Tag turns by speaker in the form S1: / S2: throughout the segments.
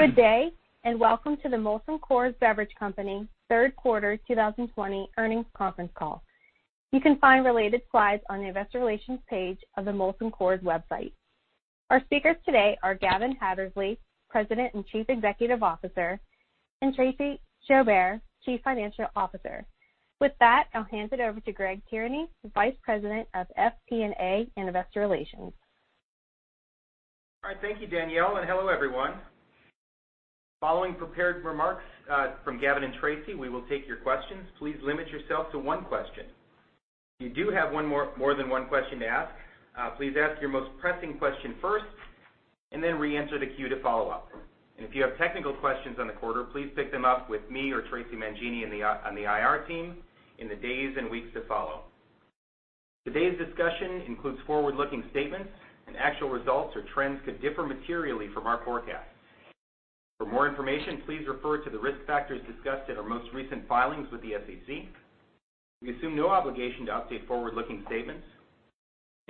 S1: Good day. Welcome to the Molson Coors Beverage Company third quarter 2020 earnings conference call. You can find related slides on the investor relations page of the Molson Coors website. Our speakers today are Gavin Hattersley, President and Chief Executive Officer, and Tracey Joubert, Chief Financial Officer. With that, I'll hand it over to Greg Tierney, Vice President of FP&A and Investor Relations.
S2: All right. Thank you, Danielle, hello, everyone. Following prepared remarks from Gavin and Tracey, we will take your questions. Please limit yourself to one question. If you do have more than one question to ask, please ask your most pressing question first, then reenter the queue to follow up. If you have technical questions on the quarter, please pick them up with me or Traci Mangini on the IR team in the days and weeks to follow. Today's discussion includes forward-looking statements, actual results or trends could differ materially from our forecast. For more information, please refer to the risk factors discussed in our most recent filings with the SEC. We assume no obligation to update forward-looking statements,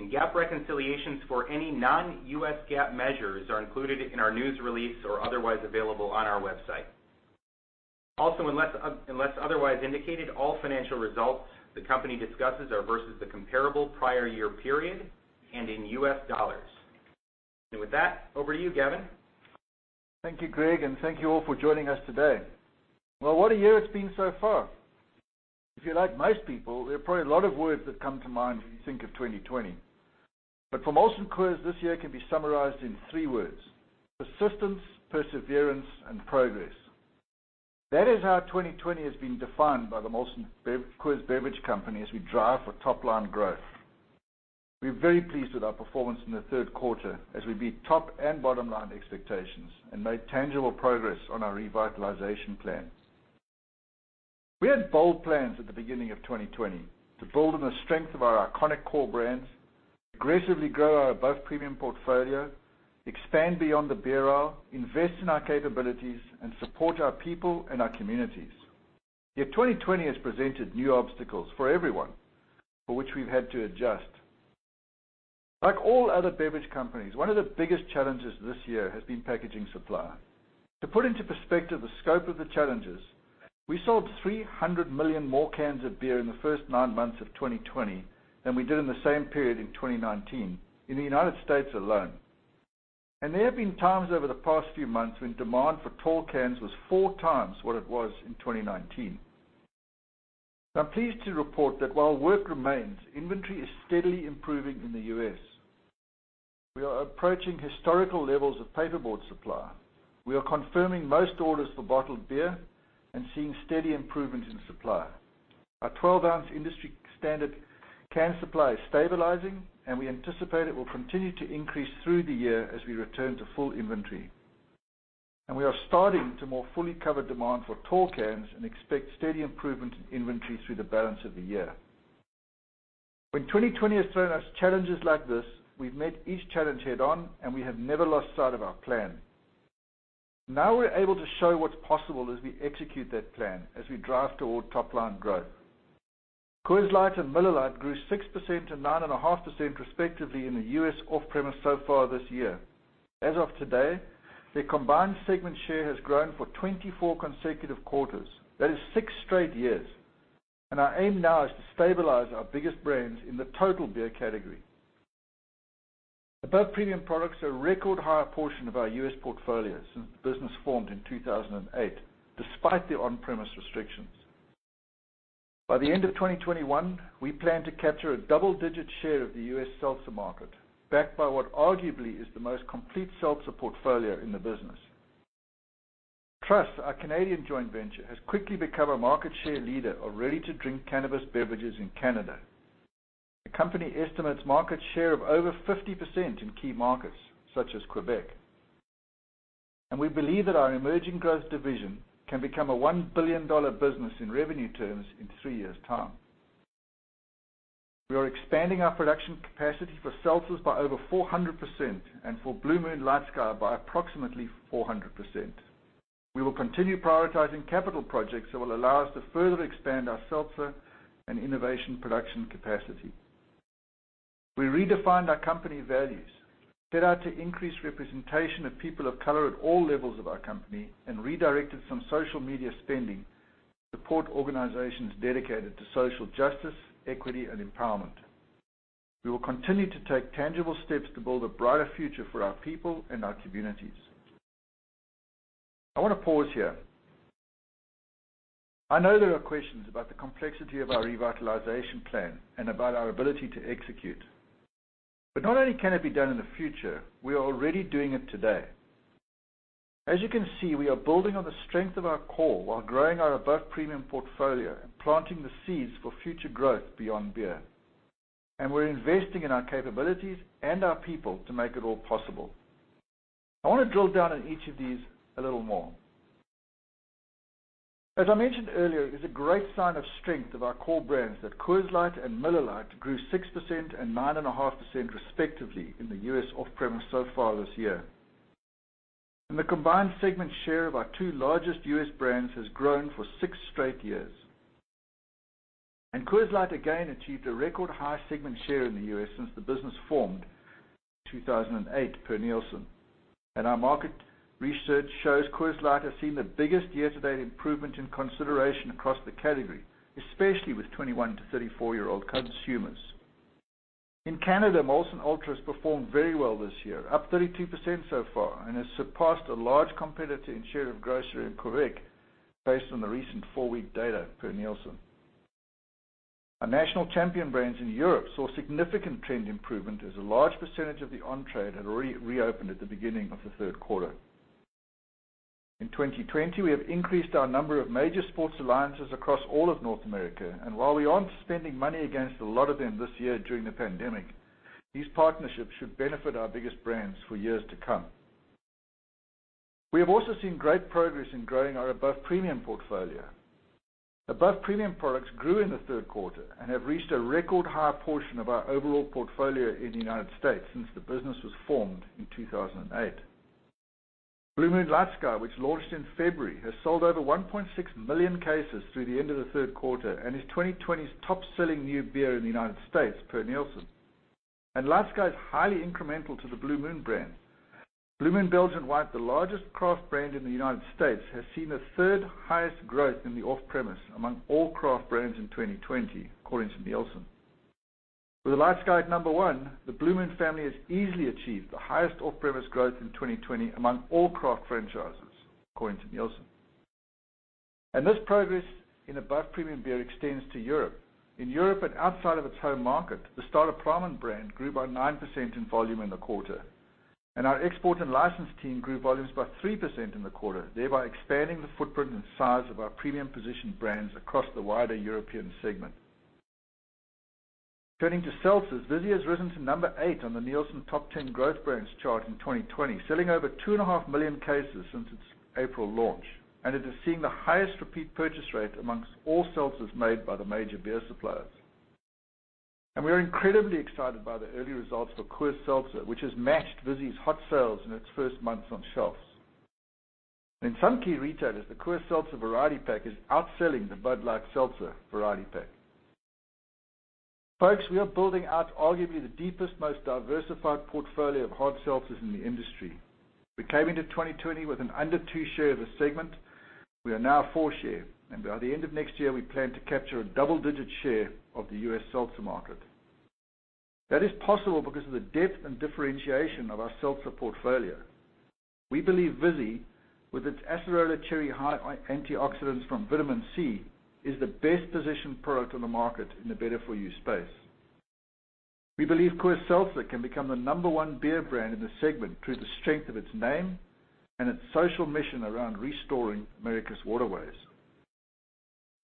S2: GAAP reconciliations for any non-U.S. GAAP measures are included in our news release or otherwise available on our website. Also, unless otherwise indicated, all financial results the company discusses are versus the comparable prior year period and in U.S. dollars. With that, over to you, Gavin.
S3: Thank you, Greg, and thank you all for joining us today. What a year it's been so far. If you're like most people, there are probably a lot of words that come to mind when you think of 2020. For Molson Coors, this year can be summarized in three words: persistence, perseverance, and progress. That is how 2020 has been defined by the Molson Coors Beverage Company as we drive for top-line growth. We are very pleased with our performance in the third quarter as we beat top and bottom-line expectations and made tangible progress on our revitalization plan. We had bold plans at the beginning of 2020 to build on the strength of our iconic core brands, aggressively grow our above-premium portfolio, expand beyond the beer aisle, invest in our capabilities, and support our people and our communities. Yet 2020 has presented new obstacles for everyone, for which we've had to adjust. Like all other beverage companies, one of the biggest challenges this year has been packaging supply. To put into perspective the scope of the challenges, we sold 300 million more cans of beer in the first nine months of 2020 than we did in the same period in 2019 in the U.S. alone. There have been times over the past few months when demand for tall cans was four times what it was in 2019. I'm pleased to report that while work remains, inventory is steadily improving in the U.S. We are approaching historical levels of paperboard supply. We are confirming most orders for bottled beer and seeing steady improvement in supply. Our 12 oz industry-standard can supply is stabilizing. We anticipate it will continue to increase through the year as we return to full inventory. We are starting to more fully cover demand for tall cans and expect steady improvement in inventory through the balance of the year. When 2020 has thrown us challenges like this, we've met each challenge head-on. We have never lost sight of our plan. Now we're able to show what's possible as we execute that plan as we drive toward top-line growth. Coors Light and Miller Lite grew 6% and 9.5% respectively in the U.S. off-premise so far this year. As of today, their combined segment share has grown for 24 consecutive quarters. That is six straight years. Our aim now is to stabilize our biggest brands in the total beer category. Above premium products are a record high portion of our U.S. portfolio since the business formed in 2008, despite the on-premise restrictions. By the end of 2021, we plan to capture a double-digit share of the U.S. seltzer market, backed by what arguably is the most complete seltzer portfolio in the business. Truss, our Canadian joint venture, has quickly become a market share leader of ready-to-drink cannabis beverages in Canada. The company estimates market share of over 50% in key markets such as Quebec. We believe that our emerging growth division can become a $1 billion business in revenue terms in three years' time. We are expanding our production capacity for seltzers by over 400% and for Blue Moon LightSky by approximately 400%. We will continue prioritizing capital projects that will allow us to further expand our seltzer and innovation production capacity. We redefined our company values, set out to increase representation of people of color at all levels of our company, and redirected some social media spending to support organizations dedicated to social justice, equity, and empowerment. We will continue to take tangible steps to build a brighter future for our people and our communities. I want to pause here. I know there are questions about the complexity of our revitalization plan and about our ability to execute. Not only can it be done in the future, we are already doing it today. As you can see, we are building on the strength of our core while growing our above-premium portfolio and planting the seeds for future growth beyond beer. We're investing in our capabilities and our people to make it all possible. I want to drill down on each of these a little more. As I mentioned earlier, it's a great sign of strength of our core brands that Coors Light and Miller Lite grew 6% and 9.5% respectively in the U.S. off-premise so far this year. The combined segment share of our two largest U.S. brands has grown for six straight years. Coors Light again achieved a record high segment share in the U.S. since the business formed in 2008, per Nielsen. Our market research shows Coors Light has seen the biggest year-to-date improvement in consideration across the category, especially with 21 to 34-year-old consumers. In Canada, Molson Ultra has performed very well this year, up 32% so far, and has surpassed a large competitor in share of grocery in Quebec based on the recent four-week data per Nielsen. Our national champion brands in Europe saw significant trend improvement as a large percentage of the on-trade had already reopened at the beginning of the third quarter. In 2020, we have increased our number of major sports alliances across all of North America. While we aren't spending money against a lot of them this year during the pandemic, these partnerships should benefit our biggest brands for years to come. We have also seen great progress in growing our above-premium portfolio. Above-premium products grew in the third quarter and have reached a record high portion of our overall portfolio in the United States since the business was formed in 2008. Blue Moon LightSky, which launched in February, has sold over 1.6 million cases through the end of the third quarter and is 2020's top-selling new beer in the United States, per Nielsen. LightSky is highly incremental to the Blue Moon brand. Blue Moon Belgian White, the largest craft brand in the U.S., has seen the third highest growth in the off-premise among all craft brands in 2020, according to Nielsen. With the LightSky at number one, the Blue Moon family has easily achieved the highest off-premise growth in 2020 among all craft franchises, according to Nielsen. This progress in above-premium beer extends to Europe. In Europe and outside of its home market, the Staropramen brand grew by 9% in volume in the quarter. Our export and license team grew volumes by 3% in the quarter, thereby expanding the footprint and size of our premium position brands across the wider European segment. Turning to seltzers, Vizzy has risen to number eight on the Nielsen Top 10 Growth Brands chart in 2020, selling over 2.5 million cases since its April launch. It is seeing the highest repeat purchase rate amongst all seltzers made by the major beer suppliers. We are incredibly excited by the early results for Coors Seltzer, which has matched Vizzy's hot sales in its first months on shelves. In some key retailers, the Coors Seltzer variety pack is outselling the Bud Light Seltzer variety pack. Folks, we are building out arguably the deepest, most diversified portfolio of hard seltzers in the industry. We came into 2020 with an under two share of the segment. We are now four share, and by the end of next year, we plan to capture a double-digit share of the U.S. seltzer market. That is possible because of the depth and differentiation of our seltzer portfolio. We believe Vizzy, with its acerola cherry high antioxidants from vitamin C, is the best positioned product on the market in the better-for-you space. We believe Coors Seltzer can become the number one beer brand in the segment through the strength of its name and its social mission around restoring America's waterways.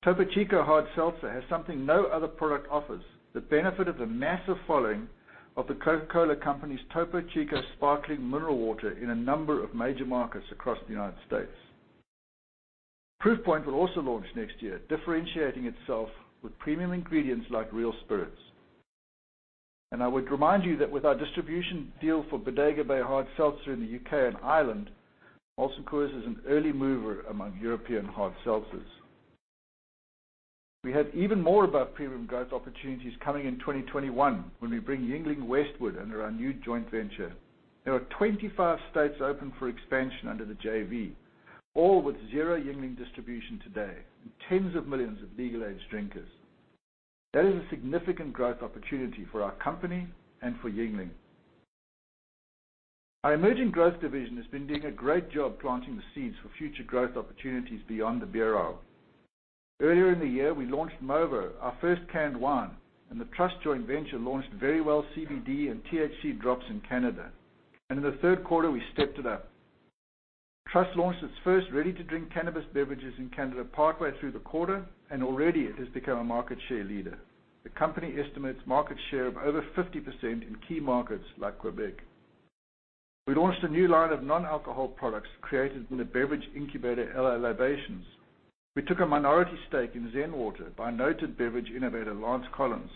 S3: Topo Chico Hard Seltzer has something no other product offers, the benefit of the massive following of the Coca-Cola Company's Topo Chico sparkling mineral water in a number of major markets across the United States. Proof Point will also launch next year, differentiating itself with premium ingredients like real spirits. I would remind you that with our distribution deal for Bodega Bay Hard Seltzer in the U.K. and Ireland, Molson Coors is an early mover among European hard seltzers. We have even more above-premium growth opportunities coming in 2021 when we bring Yuengling westward under our new joint venture. There are 25 states open for expansion under the JV, all with zero Yuengling distribution today and tens of millions of legal age drinkers. That is a significant growth opportunity for our company and for Yuengling. Our emerging growth division has been doing a great job planting the seeds for future growth opportunities beyond the beer aisle. Earlier in the year, we launched Movo, our first canned wine. The Truss joint venture launched Veryvell CBD and THC drops in Canada. In the third quarter, we stepped it up. Truss launched its first ready-to-drink cannabis beverages in Canada partway through the quarter. Already it has become a market share leader. The company estimates market share of over 50% in key markets like Quebec. We launched a new line of non-alcohol products created in the beverage incubator, L.A. Libations. We took a minority stake in ZenWTR by noted beverage innovator Lance Collins,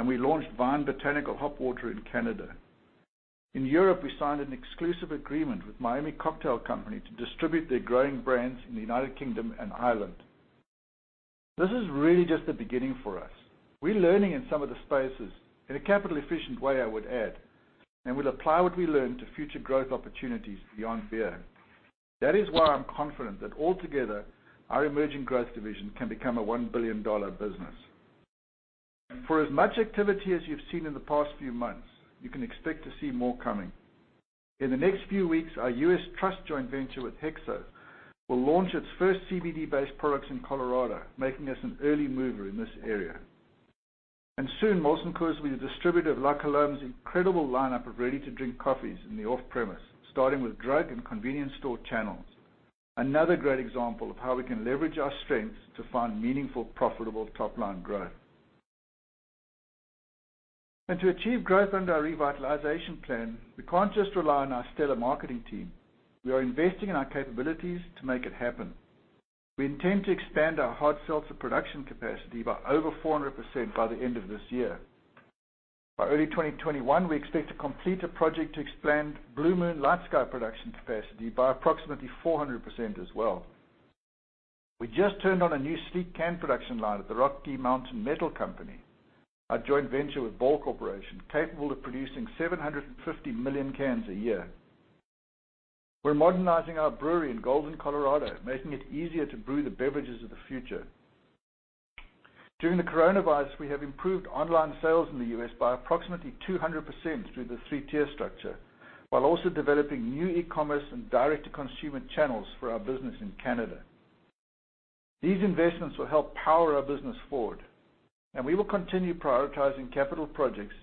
S3: and we launched Vyne Botanicals in Canada. In Europe, we signed an exclusive agreement with Miami Cocktail Company to distribute their growing brands in the U.K. and Ireland. This is really just the beginning for us. We're learning in some of the spaces in a capital efficient way, I would add, and we'll apply what we learn to future growth opportunities beyond beer. That is why I'm confident that altogether, our emerging growth division can become a $1 billion business. For as much activity as you've seen in the past few months, you can expect to see more coming. In the next few weeks, our U.S. Truss joint venture with HEXO will launch its first CBD-based products in Colorado, making us an early mover in this area. Soon, Molson Coors will be the distributor of La Colombe's incredible lineup of ready-to-drink coffees in the off-premise, starting with drug and convenience store channels. Another great example of how we can leverage our strengths to find meaningful, profitable top-line growth. To achieve growth under our revitalization plan, we can't just rely on our stellar marketing team. We are investing in our capabilities to make it happen. We intend to expand our hard seltzer production capacity by over 400% by the end of this year. By early 2021, we expect to complete a project to expand Blue Moon LightSky production capacity by approximately 400% as well. We just turned on a new sleek can production line at the Rocky Mountain Metal company, our joint venture with Ball Corporation, capable of producing 750 million cans a year. We're modernizing our brewery in Golden, Colorado, making it easier to brew the beverages of the future. During the coronavirus, we have improved online sales in the U.S. by approximately 200% through the three-tier structure, while also developing new e-commerce and direct-to-consumer channels for our business in Canada. These investments will help power our business forward, and we will continue prioritizing capital projects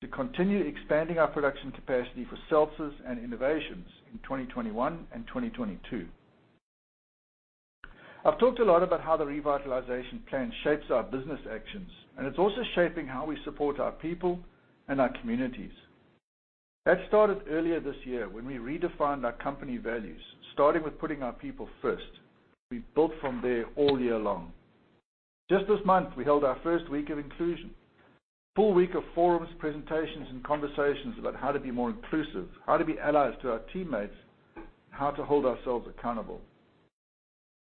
S3: to continue expanding our production capacity for seltzers and innovations in 2021 and 2022. I've talked a lot about how the revitalization plan shapes our business actions, and it's also shaping how we support our people and our communities. That started earlier this year when we redefined our company values, starting with putting our people first. We built from there all year long. Just this month, we held our first week of inclusion. A full week of forums, presentations, and conversations about how to be more inclusive, how to be allies to our teammates, and how to hold ourselves accountable.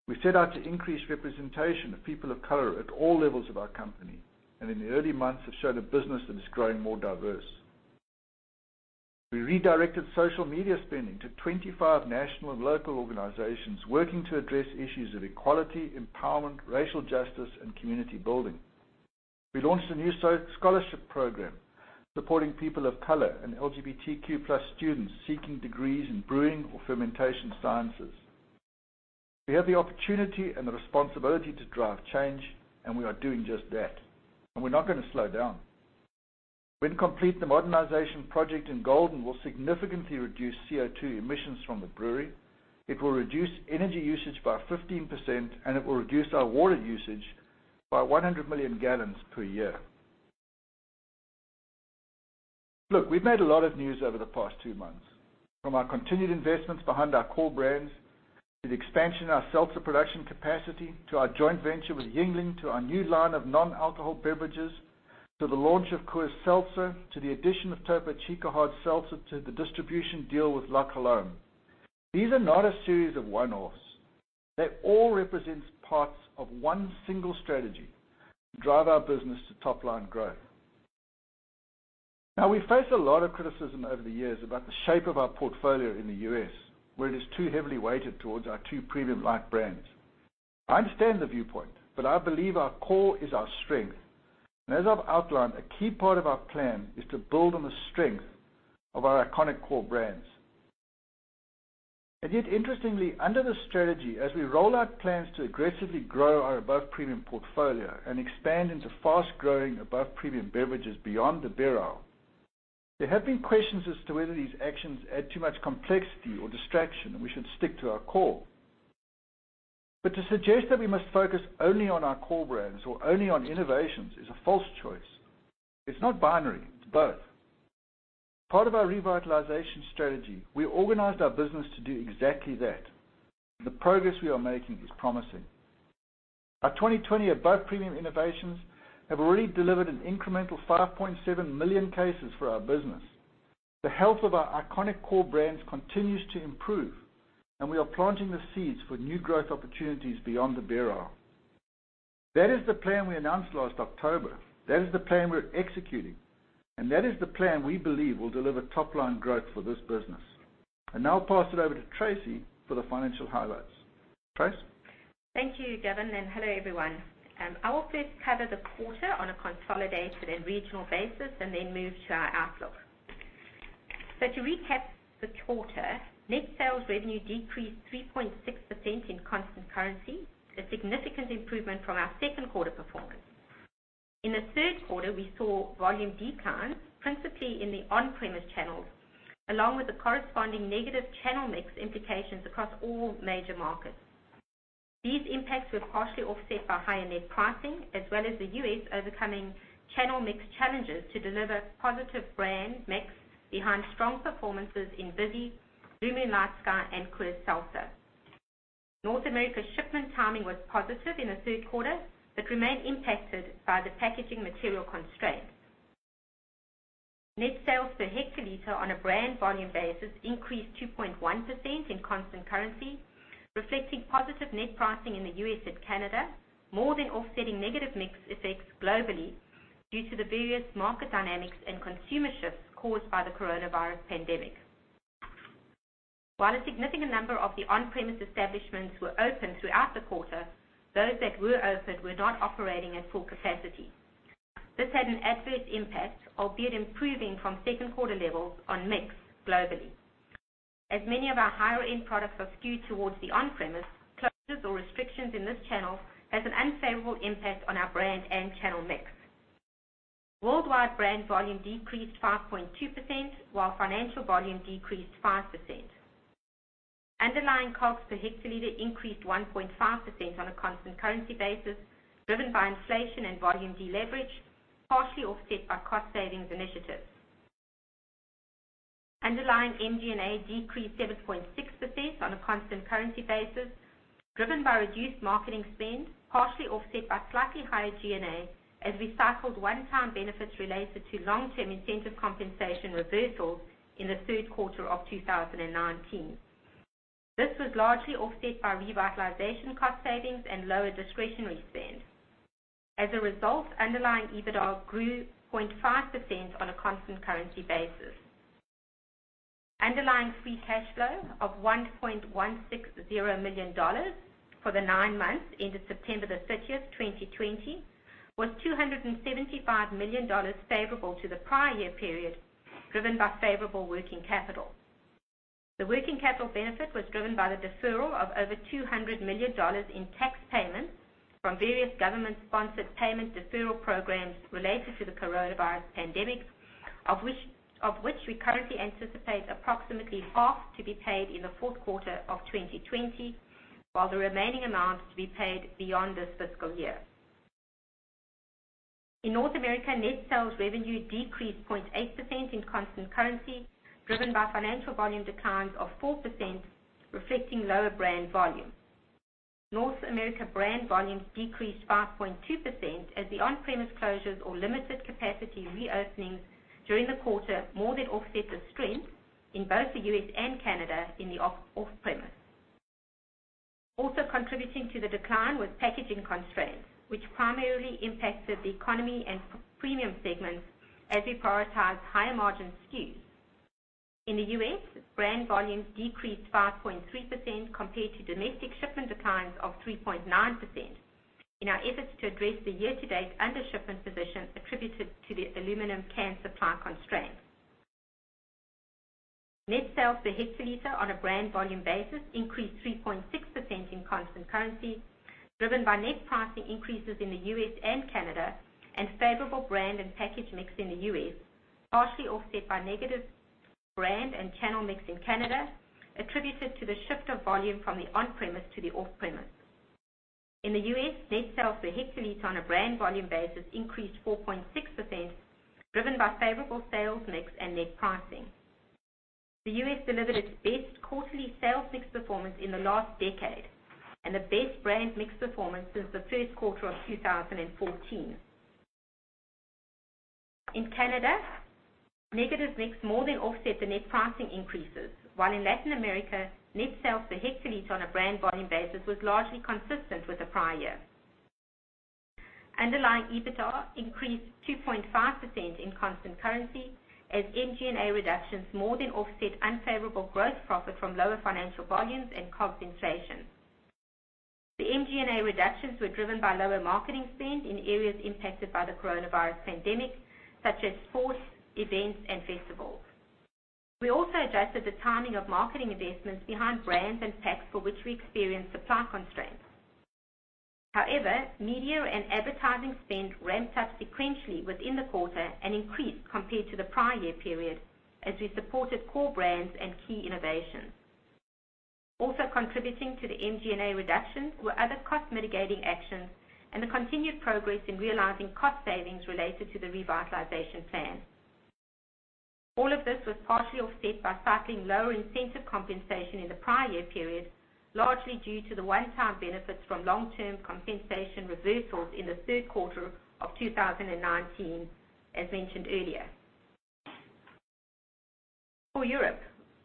S3: We set out to increase representation of people of color at all levels of our company, and in the early months have shown a business that is growing more diverse. We redirected social media spending to 25 national and local organizations working to address issues of equality, empowerment, racial justice, and community building. We launched a new scholarship program supporting people of color and LGBTQ+ students seeking degrees in brewing or fermentation sciences. We have the opportunity and the responsibility to drive change, and we are doing just that, and we're not going to slow down. When complete, the modernization project in Golden will significantly reduce CO2 emissions from the brewery. It will reduce energy usage by 15%, and it will reduce our water usage by 100 million gallons per year. Look, we've made a lot of news over the past two months, from our continued investments behind our core brands to the expansion of our seltzer production capacity, to our joint venture with Yuengling, to our new line of non-alcohol beverages, to the launch of Coors Seltzer, to the addition of Topo Chico Hard Seltzer, to the distribution deal with La Colombe. These are not a series of one-offs. They all represent parts of one single strategy to drive our business to top-line growth. Now, we faced a lot of criticism over the years about the shape of our portfolio in the U.S., where it is too heavily weighted towards our two premium light brands. I understand the viewpoint. I believe our core is our strength. As I've outlined, a key part of our plan is to build on the strength of our iconic core brands. Interestingly, under the strategy, as we roll out plans to aggressively grow our above-premium portfolio and expand into fast-growing above-premium beverages beyond the beer aisle, there have been questions as to whether these actions add too much complexity or distraction, and we should stick to our core. To suggest that we must focus only on our core brands or only on innovations is a false choice. It's not binary. It's both. Part of our revitalization strategy, we organized our business to do exactly that. The progress we are making is promising. Our 2020 above premium innovations have already delivered an incremental 5.7 million cases for our business. The health of our iconic core brands continues to improve, and we are planting the seeds for new growth opportunities beyond the beer aisle. That is the plan we announced last October. That is the plan we are executing, and that is the plan we believe will deliver top-line growth for this business. I now pass it over to Tracey for the financial highlights. Trace?
S4: Thank you, Gavin, and hello, everyone. I will first cover the quarter on a consolidated and regional basis and then move to our outlook. To recap the quarter, net sales revenue decreased 3.6% in constant currency, a significant improvement from our second quarter performance. In the third quarter, we saw volume decline, principally in the on-premise channels, along with the corresponding negative channel mix implications across all major markets. These impacts were partially offset by higher net pricing as well as the U.S. overcoming channel mix challenges to deliver positive brand mix behind strong performances in Vizzy, Blue Moon LightSky, and Coors Seltzer. North America shipment timing was positive in the third quarter but remained impacted by the packaging material constraints. Net sales per hectoliter on a brand volume basis increased 2.1% in constant currency, reflecting positive net pricing in the U.S. and Canada, more than offsetting negative mix effects globally due to the various market dynamics and consumer shifts caused by the coronavirus pandemic. While a significant number of the on-premise establishments were open throughout the quarter, those that were open were not operating at full capacity. This had an adverse impact, albeit improving from second quarter levels on mix globally. As many of our higher-end products are skewed towards the on-premise, closures or restrictions in this channel has an unfavorable impact on our brand and channel mix. Worldwide brand volume decreased 5.2%, while financial volume decreased 5%. Underlying COGS per hectoliter increased 1.5% on a constant currency basis, driven by inflation and volume deleverage, partially offset by cost savings initiatives. Underlying MG&A decreased 7.6% on a constant currency basis, driven by reduced marketing spend, partially offset by slightly higher G&A as we cycled one-time benefits related to long-term incentive compensation reversals in the third quarter of 2019. This was largely offset by revitalization cost savings and lower discretionary spend. As a result, underlying EBITDA grew 0.5% on a constant currency basis. Underlying free cash flow of $1.160 billion for the nine months ended September the 30th, 2020, was $275 million favorable to the prior year period, driven by favorable working capital. The working capital benefit was driven by the deferral of over $200 million in tax payments from various government-sponsored payment deferral programs related to the coronavirus pandemic, of which we currently anticipate approximately half to be paid in the fourth quarter of 2020, while the remaining amount is to be paid beyond this fiscal year. In North America, net sales revenue decreased 0.8% in constant currency, driven by financial volume declines of 4%, reflecting lower brand volume. North America brand volumes decreased 5.2% as the on-premise closures or limited capacity reopenings during the quarter more than offset the strength in both the U.S. and Canada in the off-premise. Also contributing to the decline was packaging constraints, which primarily impacted the economy and premium segments as we prioritized higher-margin SKUs. In the U.S., brand volumes decreased 5.3% compared to domestic shipment declines of 3.9%, in our efforts to address the year-to-date undershipment position attributed to the aluminum can supply constraints. Net sales per hectoliter on a brand volume basis increased 3.6% in constant currency, driven by net pricing increases in the U.S. and Canada and favorable brand and package mix in the U.S., partially offset by negative brand and channel mix in Canada, attributed to the shift of volume from the on-premise to the off-premise. In the U.S., net sales per hectoliter on a brand volume basis increased 4.6%, driven by favorable sales mix and net pricing. The U.S. delivered its best quarterly sales mix performance in the last decade, and the best brand mix performance since the first quarter of 2014. In Canada, negative mix more than offset the net pricing increases, while in Latin America, net sales per hectoliter on a brand volume basis was largely consistent with the prior year. Underlying EBITDA increased 2.5% in constant currency as MG&A reductions more than offset unfavorable gross profit from lower financial volumes and cost inflation. The MG&A reductions were driven by lower marketing spend in areas impacted by the coronavirus pandemic, such as sports, events, and festivals. We also adjusted the timing of marketing investments behind brands and packs for which we experienced supply constraints. However, media and advertising spend ramped up sequentially within the quarter and increased compared to the prior year period as we supported core brands and key innovations. Also contributing to the MG&A reduction were other cost-mitigating actions and the continued progress in realizing cost savings related to the Revitalization Plan. All of this was partially offset by cycling lower incentive compensation in the prior year period, largely due to the one-time benefits from long-term compensation reversals in the third quarter of 2019, as mentioned earlier. For Europe,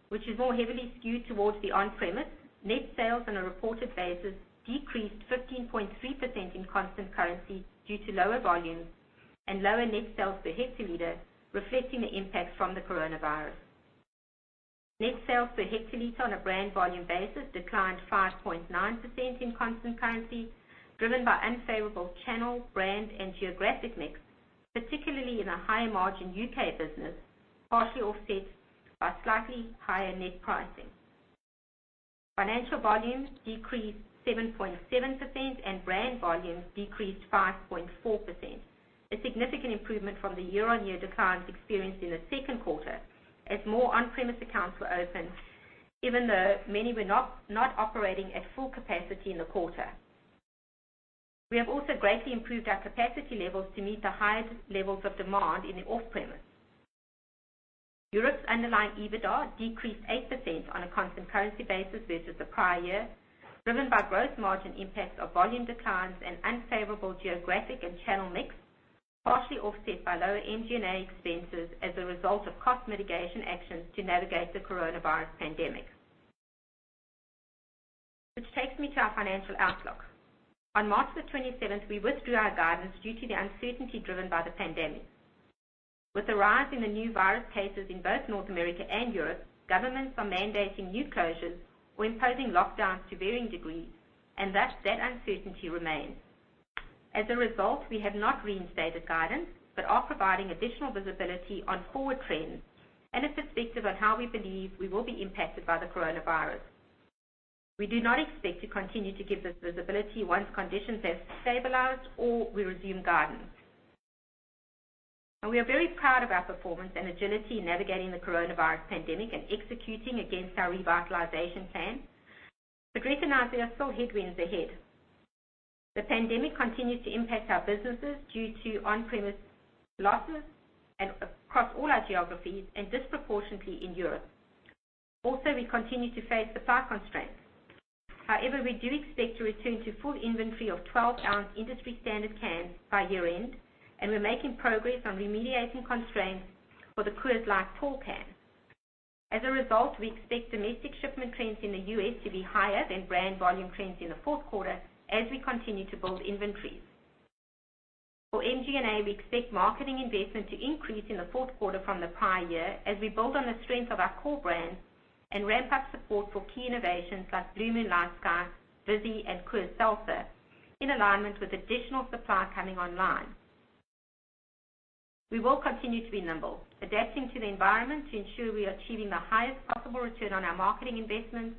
S4: which is more heavily skewed towards the on-premise, net sales on a reported basis decreased 15.3% in constant currency due to lower volumes and lower net sales per hectoliter, reflecting the impact from the coronavirus. Net sales per hectoliter on a brand volume basis declined 5.9% in constant currency, driven by unfavorable channel, brand, and geographic mix, particularly in the higher-margin U.K. business, partially offset by slightly higher net pricing. Financial volumes decreased 7.7% and brand volumes decreased 5.4%, a significant improvement from the year-over-year declines experienced in the second quarter as more on-premise accounts were opened, even though many were not operating at full capacity in the quarter. We have also greatly improved our capacity levels to meet the highest levels of demand in the off-premise. Europe's underlying EBITDA decreased 8% on a constant currency basis versus the prior year, driven by gross margin impacts of volume declines and unfavorable geographic and channel mix, partially offset by lower MG&A expenses as a result of cost mitigation actions to navigate the coronavirus pandemic. Which takes me to our financial outlook. On March the 27th, we withdrew our guidance due to the uncertainty driven by the pandemic. With the rise in the new virus cases in both North America and Europe, governments are mandating new closures or imposing lockdowns to varying degrees, and thus that uncertainty remains. As a result, we have not reinstated guidance but are providing additional visibility on forward trends and a perspective on how we believe we will be impacted by the coronavirus. We do not expect to continue to give this visibility once conditions have stabilized or we resume guidance. We are very proud of our performance and agility in navigating the coronavirus pandemic and executing against our revitalization plan, but recognize there are still headwinds ahead. The pandemic continues to impact our businesses due to on-premise losses across all our geographies, and disproportionately in Europe. We continue to face supply constraints. We do expect to return to full inventory of 12 oz industry standard cans by year-end, and we're making progress on remediating constraints for the Coors Light tall can. We expect domestic shipment trends in the U.S. to be higher than brand volume trends in the fourth quarter as we continue to build inventories. For MG&A, we expect marketing investment to increase in the fourth quarter from the prior year as we build on the strength of our core brands and ramp up support for key innovations like Blue Moon LightSky, Vizzy, and Coors Seltzer, in alignment with additional supply coming online. We will continue to be nimble, adapting to the environment to ensure we are achieving the highest possible return on our marketing investments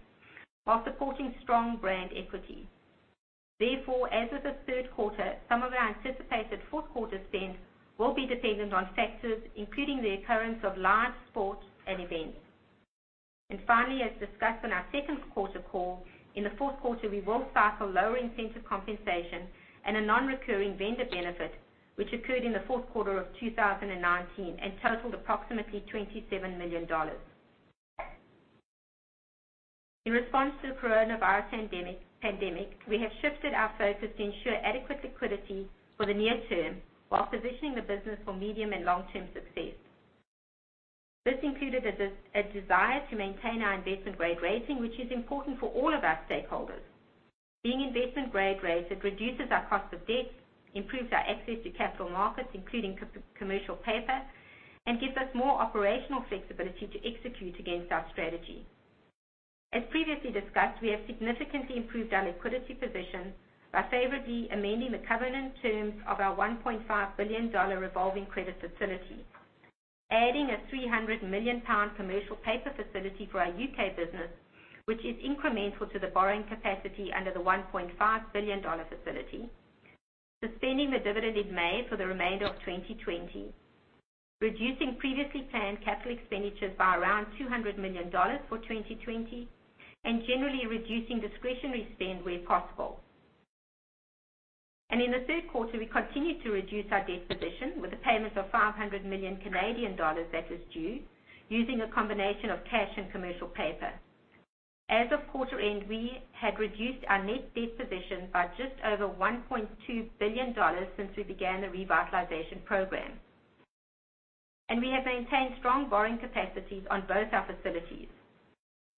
S4: while supporting strong brand equity. Therefore, as of the third quarter, some of our anticipated fourth quarter spend will be dependent on factors including the occurrence of live sports and events. Finally, as discussed on our second quarter call, in the fourth quarter, we will cycle lower incentive compensation and a non-recurring vendor benefit, which occurred in the fourth quarter of 2019 and totaled approximately $27 million. In response to the coronavirus pandemic, we have shifted our focus to ensure adequate liquidity for the near term while positioning the business for medium and long-term success. This included a desire to maintain our investment-grade rating, which is important for all of our stakeholders. Being investment-grade rated reduces our cost of debt, improves our access to capital markets, including commercial paper, and gives us more operational flexibility to execute against our strategy. As previously discussed, we have significantly improved our liquidity position by favorably amending the covenant terms of our $1.5 billion revolving credit facility, adding a 300 million pound commercial paper facility for our U.K. business, which is incremental to the borrowing capacity under the $1.5 billion facility, suspending the dividend in May for the remainder of 2020, reducing previously planned capital expenditures by around $200 million for 2020, and generally reducing discretionary spend where possible. In the third quarter, we continued to reduce our debt position with the payment of 500 million Canadian dollars that was due using a combination of cash and commercial paper. As of quarter end, we had reduced our net debt position by just over $1.2 billion since we began the Revitalization program. We have maintained strong borrowing capacities on both our facilities.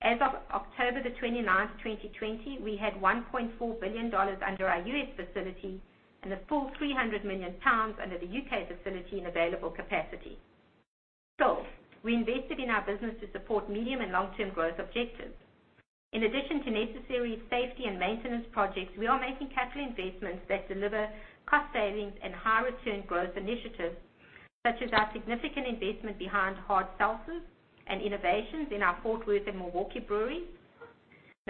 S4: As of October 29, 2020, we had $1.4 billion under our U.S. facility and a full 300 million pounds under the U.K. facility in available capacity. We invested in our business to support medium and long-term growth objectives. In addition to necessary safety and maintenance projects, we are making capital investments that deliver cost savings and high return growth initiatives, such as our significant investment behind hard seltzers and innovations in our Fort Worth and Milwaukee breweries.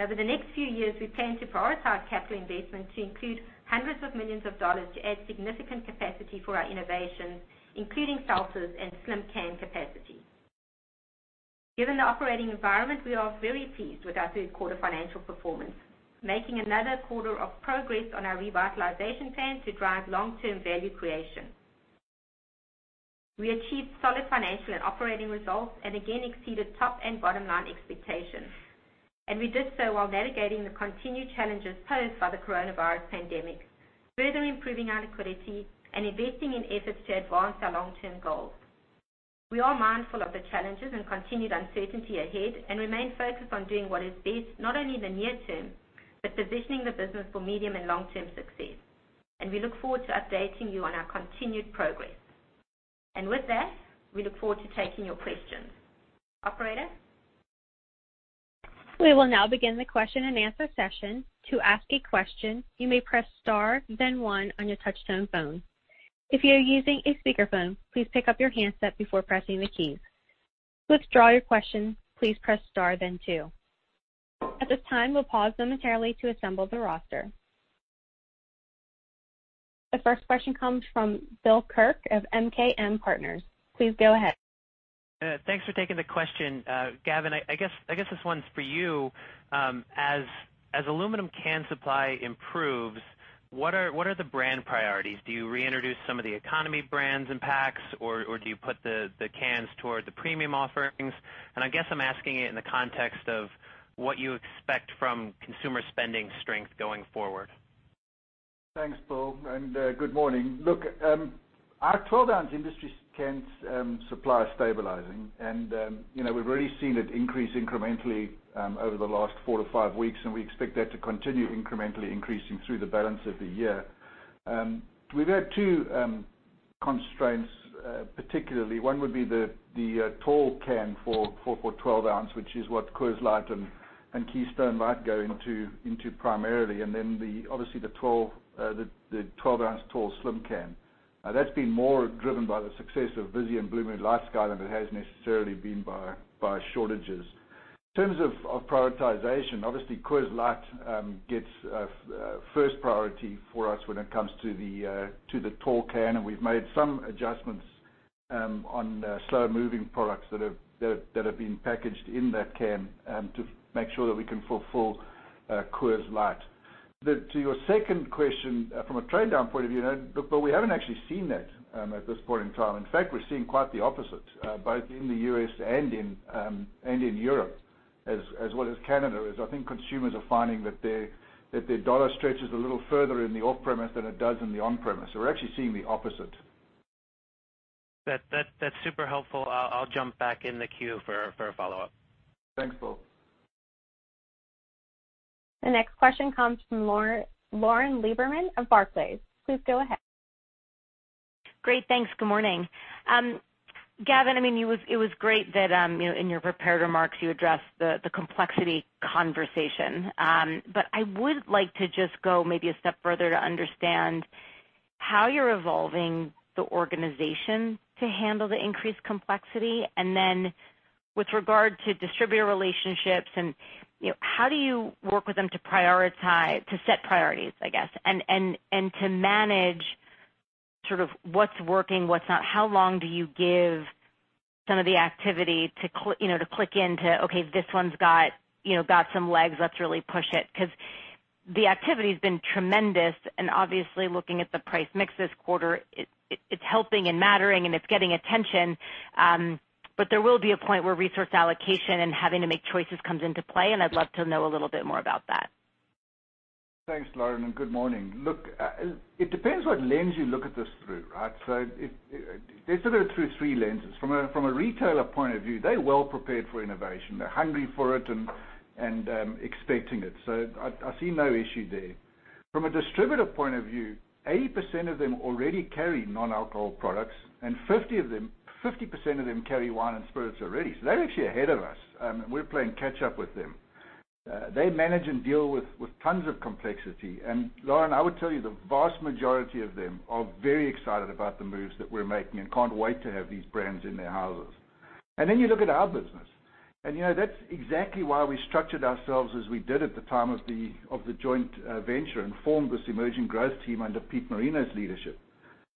S4: Over the next few years, we plan to prioritize capital investments to include hundreds of millions of dollars to add significant capacity for our innovations, including seltzers and slim can capacity. Given the operating environment, we are very pleased with our third quarter financial performance, making another quarter of progress on our revitalization plan to drive long-term value creation. We achieved solid financial and operating results and again exceeded top and bottom line expectations. We did so while navigating the continued challenges posed by the coronavirus pandemic, further improving our liquidity and investing in efforts to advance our long-term goals. We are mindful of the challenges and continued uncertainty ahead and remain focused on doing what is best, not only in the near term, but positioning the business for medium and long-term success. We look forward to updating you on our continued progress. With that, we look forward to taking your questions. Operator?
S1: We will now begin the question and answer session. To ask a question, you may press star then one on you touch-tone phone. If you're using a speaker phone, please pick up your handset before pressing the key. Withdraw your question, please press star then two. At this time, we pause momentarily to assemble the roster. The first question comes from Bill Kirk of MKM Partners. Please go ahead.
S5: Thanks for taking the question. Gavin, I guess this one's for you. As aluminum can supply improves, what are the brand priorities? Do you reintroduce some of the economy brands and packs, or do you put the cans towards the premium offerings? I guess I'm asking it in the context of what you expect from consumer spending strength going forward.
S3: Thanks, Bill, and good morning. Look, our 12 oz industry cans supply is stabilizing, and we've already seen it increase incrementally over the last four to five weeks, and we expect that to continue incrementally increasing through the balance of the year. We've had two constraints, particularly. One would be the tall can for 12 oz, which is what Coors Light and Keystone Light go into primarily, and then obviously, the 12 oz tall slim can. That's been more driven by the success of Vizzy and Blue Moon LightSky than it has necessarily been by shortages. In terms of prioritization, obviously Coors Light gets first priority for us when it comes to the tall can, and we've made some adjustments on slow-moving products that have been packaged in that can to make sure that we can fulfill Coors Light. To your second question, from a trade-down point of view, we haven't actually seen that at this point in time. In fact, we're seeing quite the opposite, both in the U.S. and in Europe, as well as Canada. I think consumers are finding that their dollar stretches a little further in the off-premise than it does in the on-premise. We're actually seeing the opposite.
S5: That's super helpful. I'll jump back in the queue for a follow-up.
S3: Thanks, Bill.
S1: The next question comes from Lauren Lieberman of Barclays. Please go ahead.
S6: Great. Thanks. Good morning. Gavin, it was great that in your prepared remarks, you addressed the complexity conversation. I would like to just go maybe a step further to understand how you're evolving the organization to handle the increased complexity, and then with regard to distributor relationships and how do you work with them to set priorities, I guess, and to manage sort of what's working, what's not. How long do you give some of the activity to click into, okay, this one's got some legs, let's really push it. The activity's been tremendous, and obviously, looking at the price mix this quarter, it's helping and mattering, and it's getting attention. There will be a point where resource allocation and having to make choices comes into play, and I'd love to know a little bit more about that.
S3: Thanks, Lauren. Good morning. Look, it depends what lens you look at this through, right? Let's look at it through three lenses. From a retailer point of view, they're well prepared for innovation. They're hungry for it and expecting it. I see no issue there. From a distributor point of view, 80% of them already carry non-alcohol products, and 50% of them carry wine and spirits already. They're actually ahead of us. We're playing catch up with them. They manage and deal with tons of complexity. Lauren, I would tell you, the vast majority of them are very excited about the moves that we're making and can't wait to have these brands in their houses. You look at our business, and that's exactly why we structured ourselves as we did at the time of the joint venture and formed this emerging growth team under Pete Marino's leadership.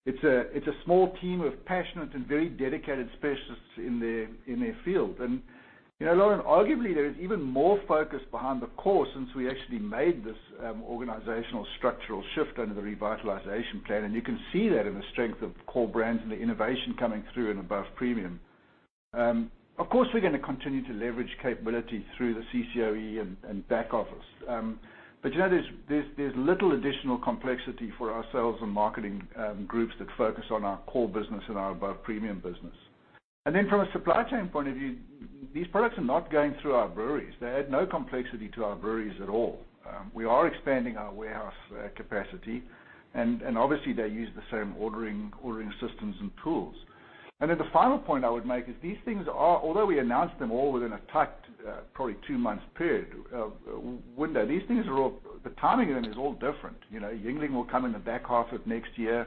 S3: It's a small team of passionate and very dedicated specialists in their field. Lauren, arguably, there is even more focus behind the core since we actually made this organizational structural shift under the revitalization plan. You can see that in the strength of core brands and the innovation coming through and above premium. Of course, we're going to continue to leverage capability through the CCOE and back office. There's little additional complexity for our sales and marketing groups that focus on our core business and our above-premium business. From a supply chain point of view, these products are not going through our breweries. They add no complexity to our breweries at all. We are expanding our warehouse capacity, obviously, they use the same ordering systems and tools. The final point I would make is these things are, although we announced them all within a tight, probably two months period window, the timing of them is all different. Yuengling will come in the back half of next year.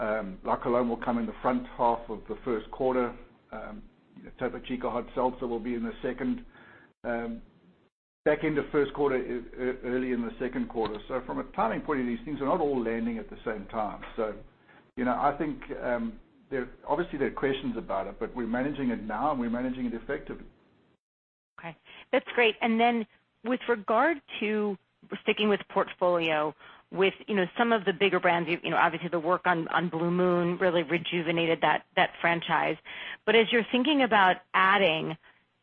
S3: La Colombe will come in the front half of the first quarter. Topo Chico Hard Seltzer will be back end of first quarter, early in the second quarter. From a timing point of view, these things are not all landing at the same time. I think, obviously, there are questions about it, but we're managing it now, and we're managing it effectively.
S6: Okay. That's great. With regard to sticking with portfolio, with some of the bigger brands, obviously the work on Blue Moon really rejuvenated that franchise. As you're thinking about adding,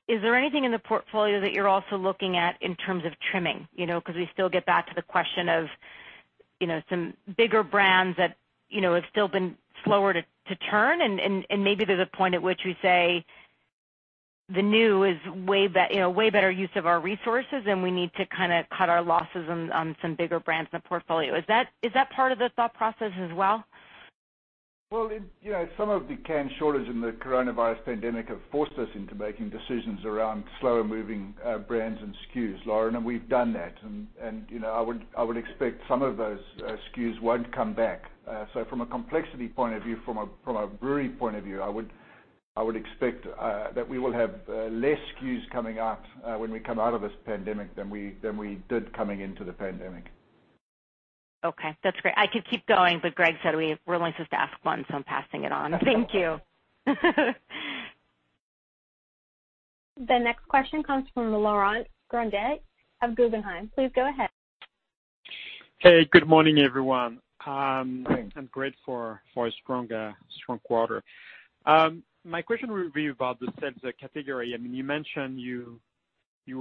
S6: is there anything in the portfolio that you're also looking at in terms of trimming? We still get back to the question of some bigger brands that have still been slower to turn. Maybe there's a point at which we say the new is way better use of our resources. We need to kind of cut our losses on some bigger brands in the portfolio. Is that part of the thought process as well?
S3: Well, some of the can shortage and the coronavirus pandemic have forced us into making decisions around slower-moving brands and SKUs, Lauren, and we've done that. I would expect some of those SKUs won't come back. From a complexity point of view, from a brewery point of view, I would expect that we will have less SKUs coming out when we come out of this pandemic than we did coming into the pandemic.
S6: Okay. That's great. I could keep going, but Greg said we're only supposed to ask one, so I'm passing it on. Thank you.
S1: The next question comes from Laurent Grandet of Guggenheim. Please go ahead.
S7: Hey, good morning, everyone.
S3: Good morning.
S7: Great for a strong quarter. My question will be about the seltzer category. You mentioned you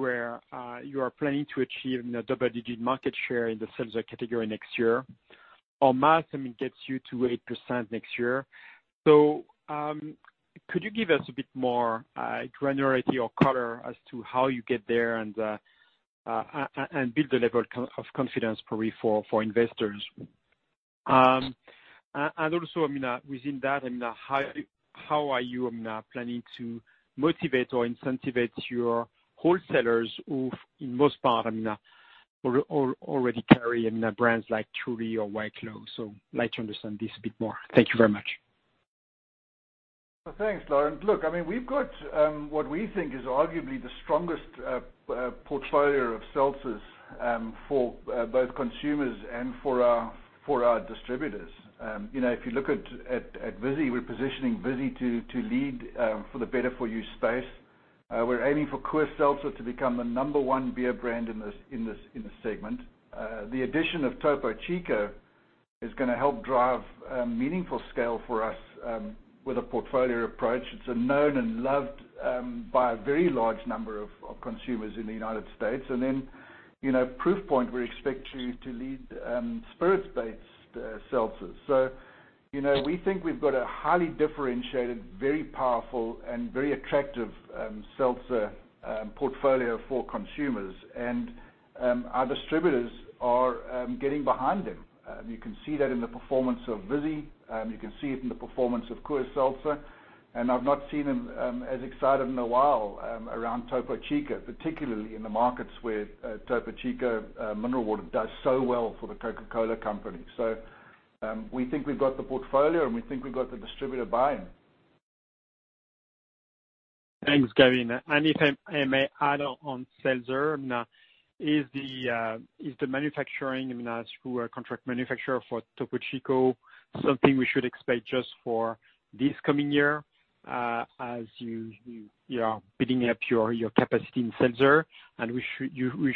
S7: are planning to achieve double-digit market share in the seltzer category next year. Our math gets you to 8% next year. Could you give us a bit more granularity or color as to how you get there and build the level of confidence, probably for investors? Also, within that, how are you planning to motivate or incentivize your wholesalers who, in most part, already carry brands like Truly or White Claw? Like to understand this a bit more. Thank you very much.
S3: Thanks, Laurent. We've got what we think is arguably the strongest portfolio of seltzers for both consumers and for our distributors. If you look at Vizzy, we're positioning Vizzy to lead for the better-for-you space. We're aiming for Coors Seltzer to become the number one beer brand in this segment. The addition of Topo Chico is going to help drive meaningful scale for us with a portfolio approach. It's known and loved by a very large number of consumers in the United States. Proof Point, we expect to lead spirits-based seltzers. We think we've got a highly differentiated, very powerful, and very attractive seltzer portfolio for consumers. Our distributors are getting behind them. You can see that in the performance of Vizzy, you can see it in the performance of Coors Seltzer. I've not seen them as excited in a while around Topo Chico, particularly in the markets where Topo Chico Mineral Water does so well for The Coca-Cola Company. We think we've got the portfolio, and we think we've got the distributor buy-in.
S7: Thanks, Gavin. If I may add on seltzer, is the manufacturing through a contract manufacturer for Topo Chico something we should expect just for this coming year, as you are building up your capacity in seltzer? We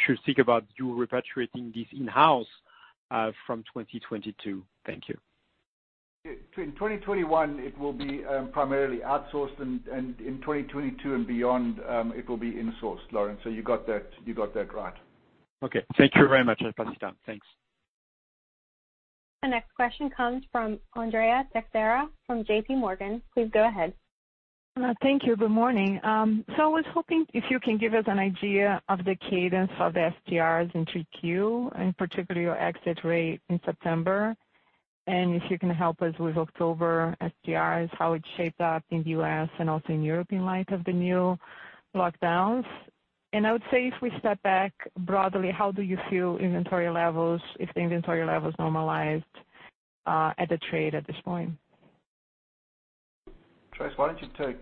S7: should think about you repatriating this in-house from 2022? Thank you.
S3: In 2021, it will be primarily outsourced. In 2022 and beyond, it will be in-sourced, Laurent. You got that right.
S7: Okay. Thank you very much. I'll pass it down. Thanks.
S1: The next question comes from Andrea Teixeira from JPMorgan. Please go ahead.
S8: Thank you. Good morning. I was hoping if you can give us an idea of the cadence of the STRs in 2Q, and particularly your exit rate in September. If you can help us with October STRs, how it shaped up in the U.S. and also in Europe in light of the new lockdowns. I would say if we step back broadly, how do you feel inventory levels, if the inventory levels normalized at the trade at this point?
S3: Tracey, why don't you take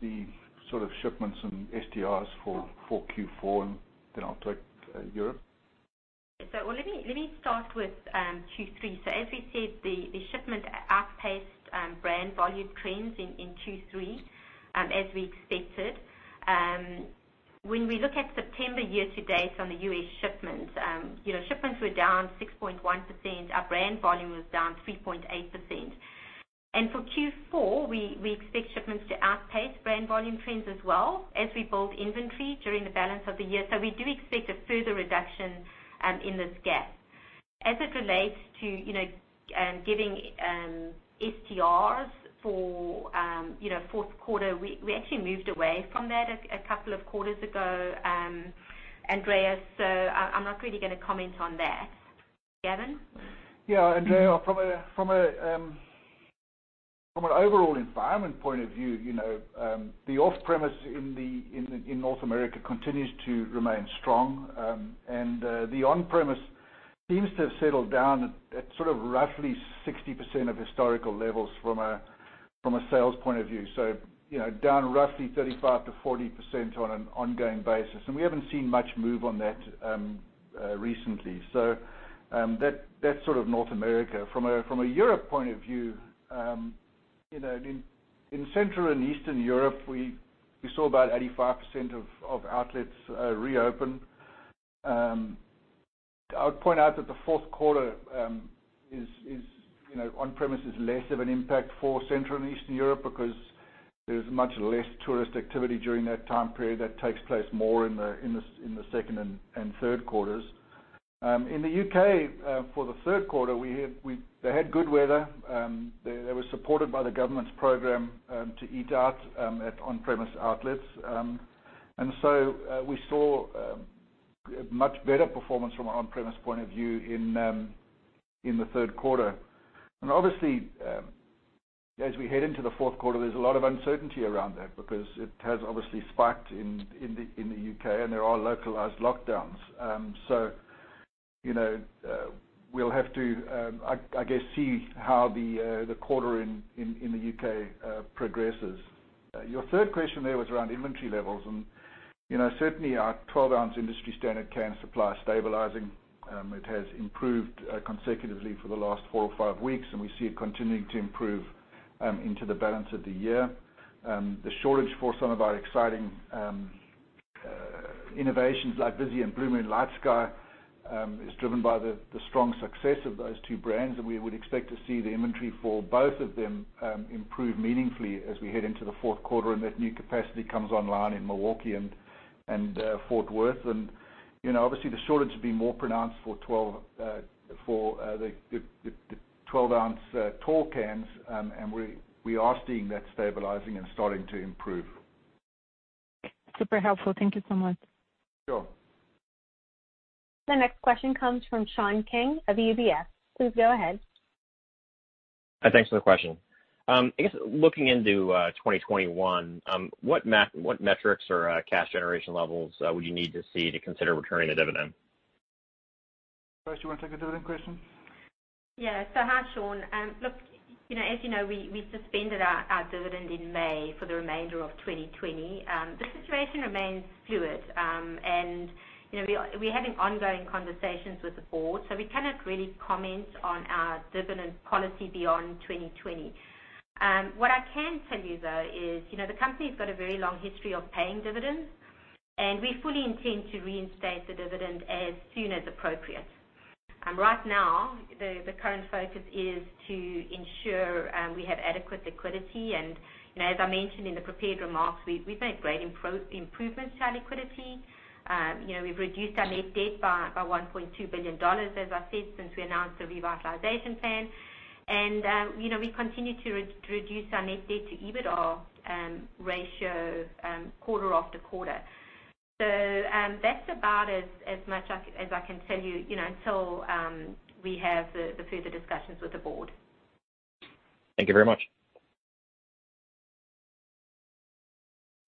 S3: the sort of shipments and STRs for Q4, and then I'll take Europe.
S4: Let me start with Q3. As we said, the shipment outpaced brand volume trends in Q3, as we expected. When we look at September year-to-date on the U.S. shipments were down 6.1%, our brand volume was down 3.8%. For Q4, we expect shipments to outpace brand volume trends as well as we build inventory during the balance of the year. We do expect a further reduction in this gap. As it relates to giving STRs for fourth quarter, we actually moved away from that a couple of quarters ago, Andrea, I'm not really going to comment on that. Gavin?
S3: Yeah, Andrea, from an overall environment point of view, the off-premise in North America continues to remain strong. The on-premise seems to have settled down at sort of roughly 60% of historical levels from a sales point of view. Down roughly 35%-40% on an ongoing basis. We haven't seen much move on that recently. That's sort of North America. From a Europe point of view, in Central and Eastern Europe, we saw about 85% of outlets reopen. I would point out that the fourth quarter on-premise is less of an impact for Central and Eastern Europe because there's much less tourist activity during that time period that takes place more in the second and third quarters. In the U.K., for the third quarter, they had good weather. They were supported by the government's program to eat out at on-premise outlets. We saw a much better performance from an on-premise point of view in the third quarter. Obviously, as we head into the fourth quarter, there's a lot of uncertainty around that because it has obviously spiked in the U.K. and there are localized lockdowns. We'll have to, I guess, see how the quarter in the U.K. progresses. Your third question there was around inventory levels, and certainly our 12 oz industry standard can supply is stabilizing. It has improved consecutively for the last four or five weeks, and we see it continuing to improve into the balance of the year. The shortage for some of our exciting innovations like Vizzy and Blue Moon LightSky is driven by the strong success of those two brands. We would expect to see the inventory for both of them improve meaningfully as we head into the fourth quarter, and that new capacity comes online in Milwaukee and Fort Worth. Obviously, the shortage will be more pronounced for the 12 oz tall cans, and we are seeing that stabilizing and starting to improve.
S8: Super helpful. Thank you so much.
S3: Sure.
S1: The next question comes from Sean King of UBS. Please go ahead.
S9: Thanks for the question. I guess, looking into 2021, what metrics or cash generation levels would you need to see to consider returning a dividend?
S3: Trace, do you want to take the dividend question?
S4: Yeah. Hi, Sean. Look, as you know, we suspended our dividend in May for the remainder of 2020. The situation remains fluid. We're having ongoing conversations with the board, we cannot really comment on our dividend policy beyond 2020. What I can tell you, though, is the company's got a very long history of paying dividends. We fully intend to reinstate the dividend as soon as appropriate. Right now, the current focus is to ensure we have adequate liquidity. As I mentioned in the prepared remarks, we've made great improvements to our liquidity. We've reduced our net debt by $1.2 billion, as I said, since we announced the revitalization plan. We continue to reduce our net debt to EBITDA ratio quarter after quarter. That's about as much as I can tell you until we have the further discussions with the board.
S9: Thank you very much.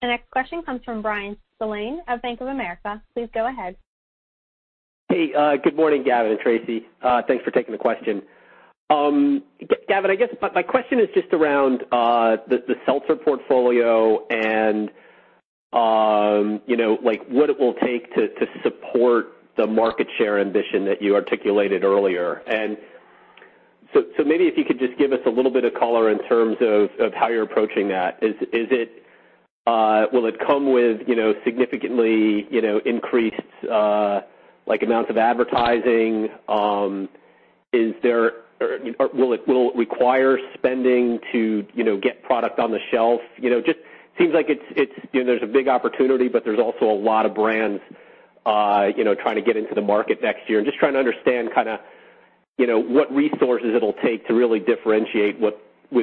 S1: The next question comes from Bryan Spillane of Bank of America. Please go ahead.
S10: Hey, good morning, Gavin and Tracey. Thanks for taking the question. Gavin, I guess my question is just around the seltzer portfolio and what it will take to support the market share ambition that you articulated earlier. Maybe if you could just give us a little bit of color in terms of how you're approaching that. Will it come with significantly increased amounts of advertising? Will it require spending to get product on the shelf? Just seems like there's a big opportunity, but there's also a lot of brands trying to get into the market next year and just trying to understand what resources it'll take to really differentiate with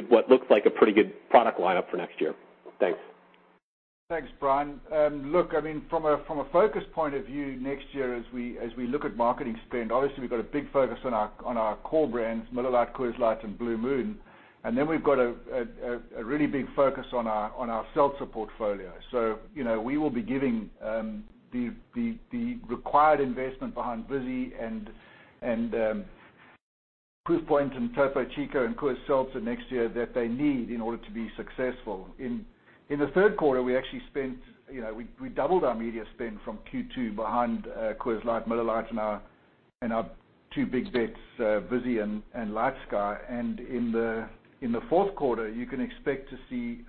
S10: what looks like a pretty good product lineup for next year. Thanks.
S3: Thanks, Bryan. Look, from a focus point of view, next year as we look at marketing spend, obviously we've got a big focus on our core brands, Miller Lite, Coors Light, and Blue Moon. We've got a really big focus on our seltzer portfolio. We will be giving the required investment behind Vizzy and Proof Point and Topo Chico and Coors Seltzer next year that they need in order to be successful. In the third quarter, we actually doubled our media spend from Q2 behind Coors Light, Miller Lite, and our two big bets, Vizzy and Blue Moon LightSky. In the fourth quarter, you can expect to see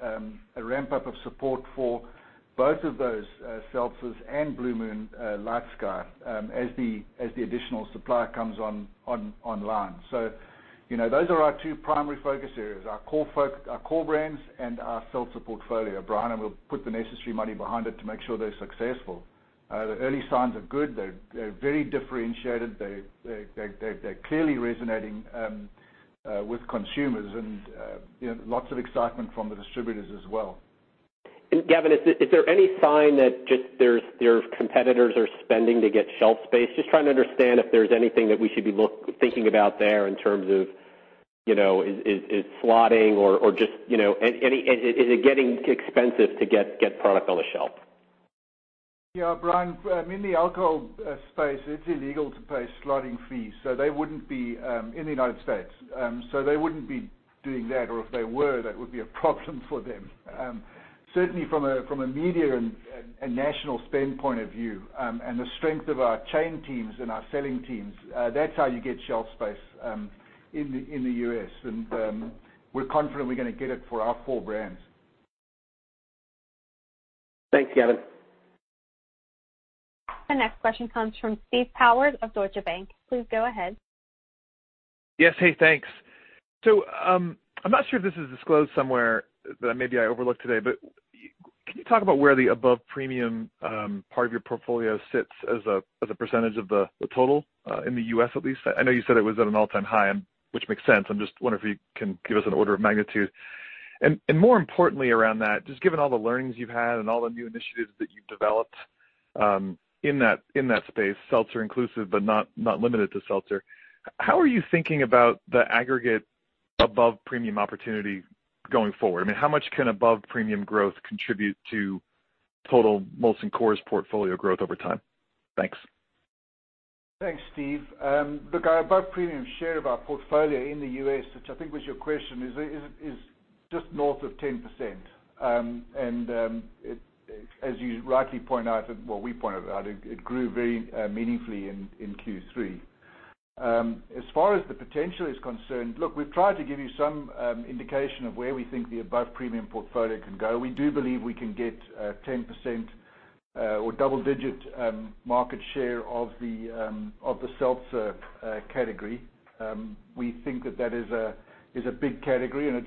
S3: a ramp-up of support for both of those seltzers and Blue Moon LightSky as the additional supply comes online. Those are our two primary focus areas, our core brands and our seltzer portfolio, Bryan, and we'll put the necessary money behind it to make sure they're successful. The early signs are good. They're very differentiated. They're clearly resonating with consumers and lots of excitement from the distributors as well.
S10: Gavin, is there any sign that just their competitors are spending to get shelf space? Just trying to understand if there's anything that we should be thinking about there in terms of, is it slotting or is it getting expensive to get product on the shelf?
S3: Bryan, in the alcohol space, it's illegal to pay slotting fees, they wouldn't be in the U.S. They wouldn't be doing that, or if they were, that would be a problem for them. Certainly, from a media and national spend point of view and the strength of our chain teams and our selling teams, that's how you get shelf space in the U.S. We're confident we're going to get it for our core brands.
S10: Thanks, Gavin.
S1: The next question comes from Steve Powers of Deutsche Bank. Please go ahead.
S11: Yes. Hey, thanks. I'm not sure if this is disclosed somewhere that maybe I overlooked today, but can you talk about where the above-premium part of your portfolio sits as a percentage of the total in the U.S. at least? I know you said it was at an all-time high, which makes sense. I'm just wondering if you can give us an order of magnitude. More importantly around that, just given all the learnings you've had and all the new initiatives that you've developed in that space, seltzer inclusive, but not limited to seltzer, how are you thinking about the aggregate above-premium opportunity going forward? I mean, how much can above-premium growth contribute to total Molson Coors portfolio growth over time? Thanks.
S3: Thanks, Steve. Look, our above-premium share of our portfolio in the U.S., which I think was your question, is just north of 10%. As you rightly point out, well, we pointed out, it grew very meaningfully in Q3. As far as the potential is concerned, look, we've tried to give you some indication of where we think the above-premium portfolio can go. We do believe we can get 10% or double-digit market share of the seltzer category. We think that that is a big category, and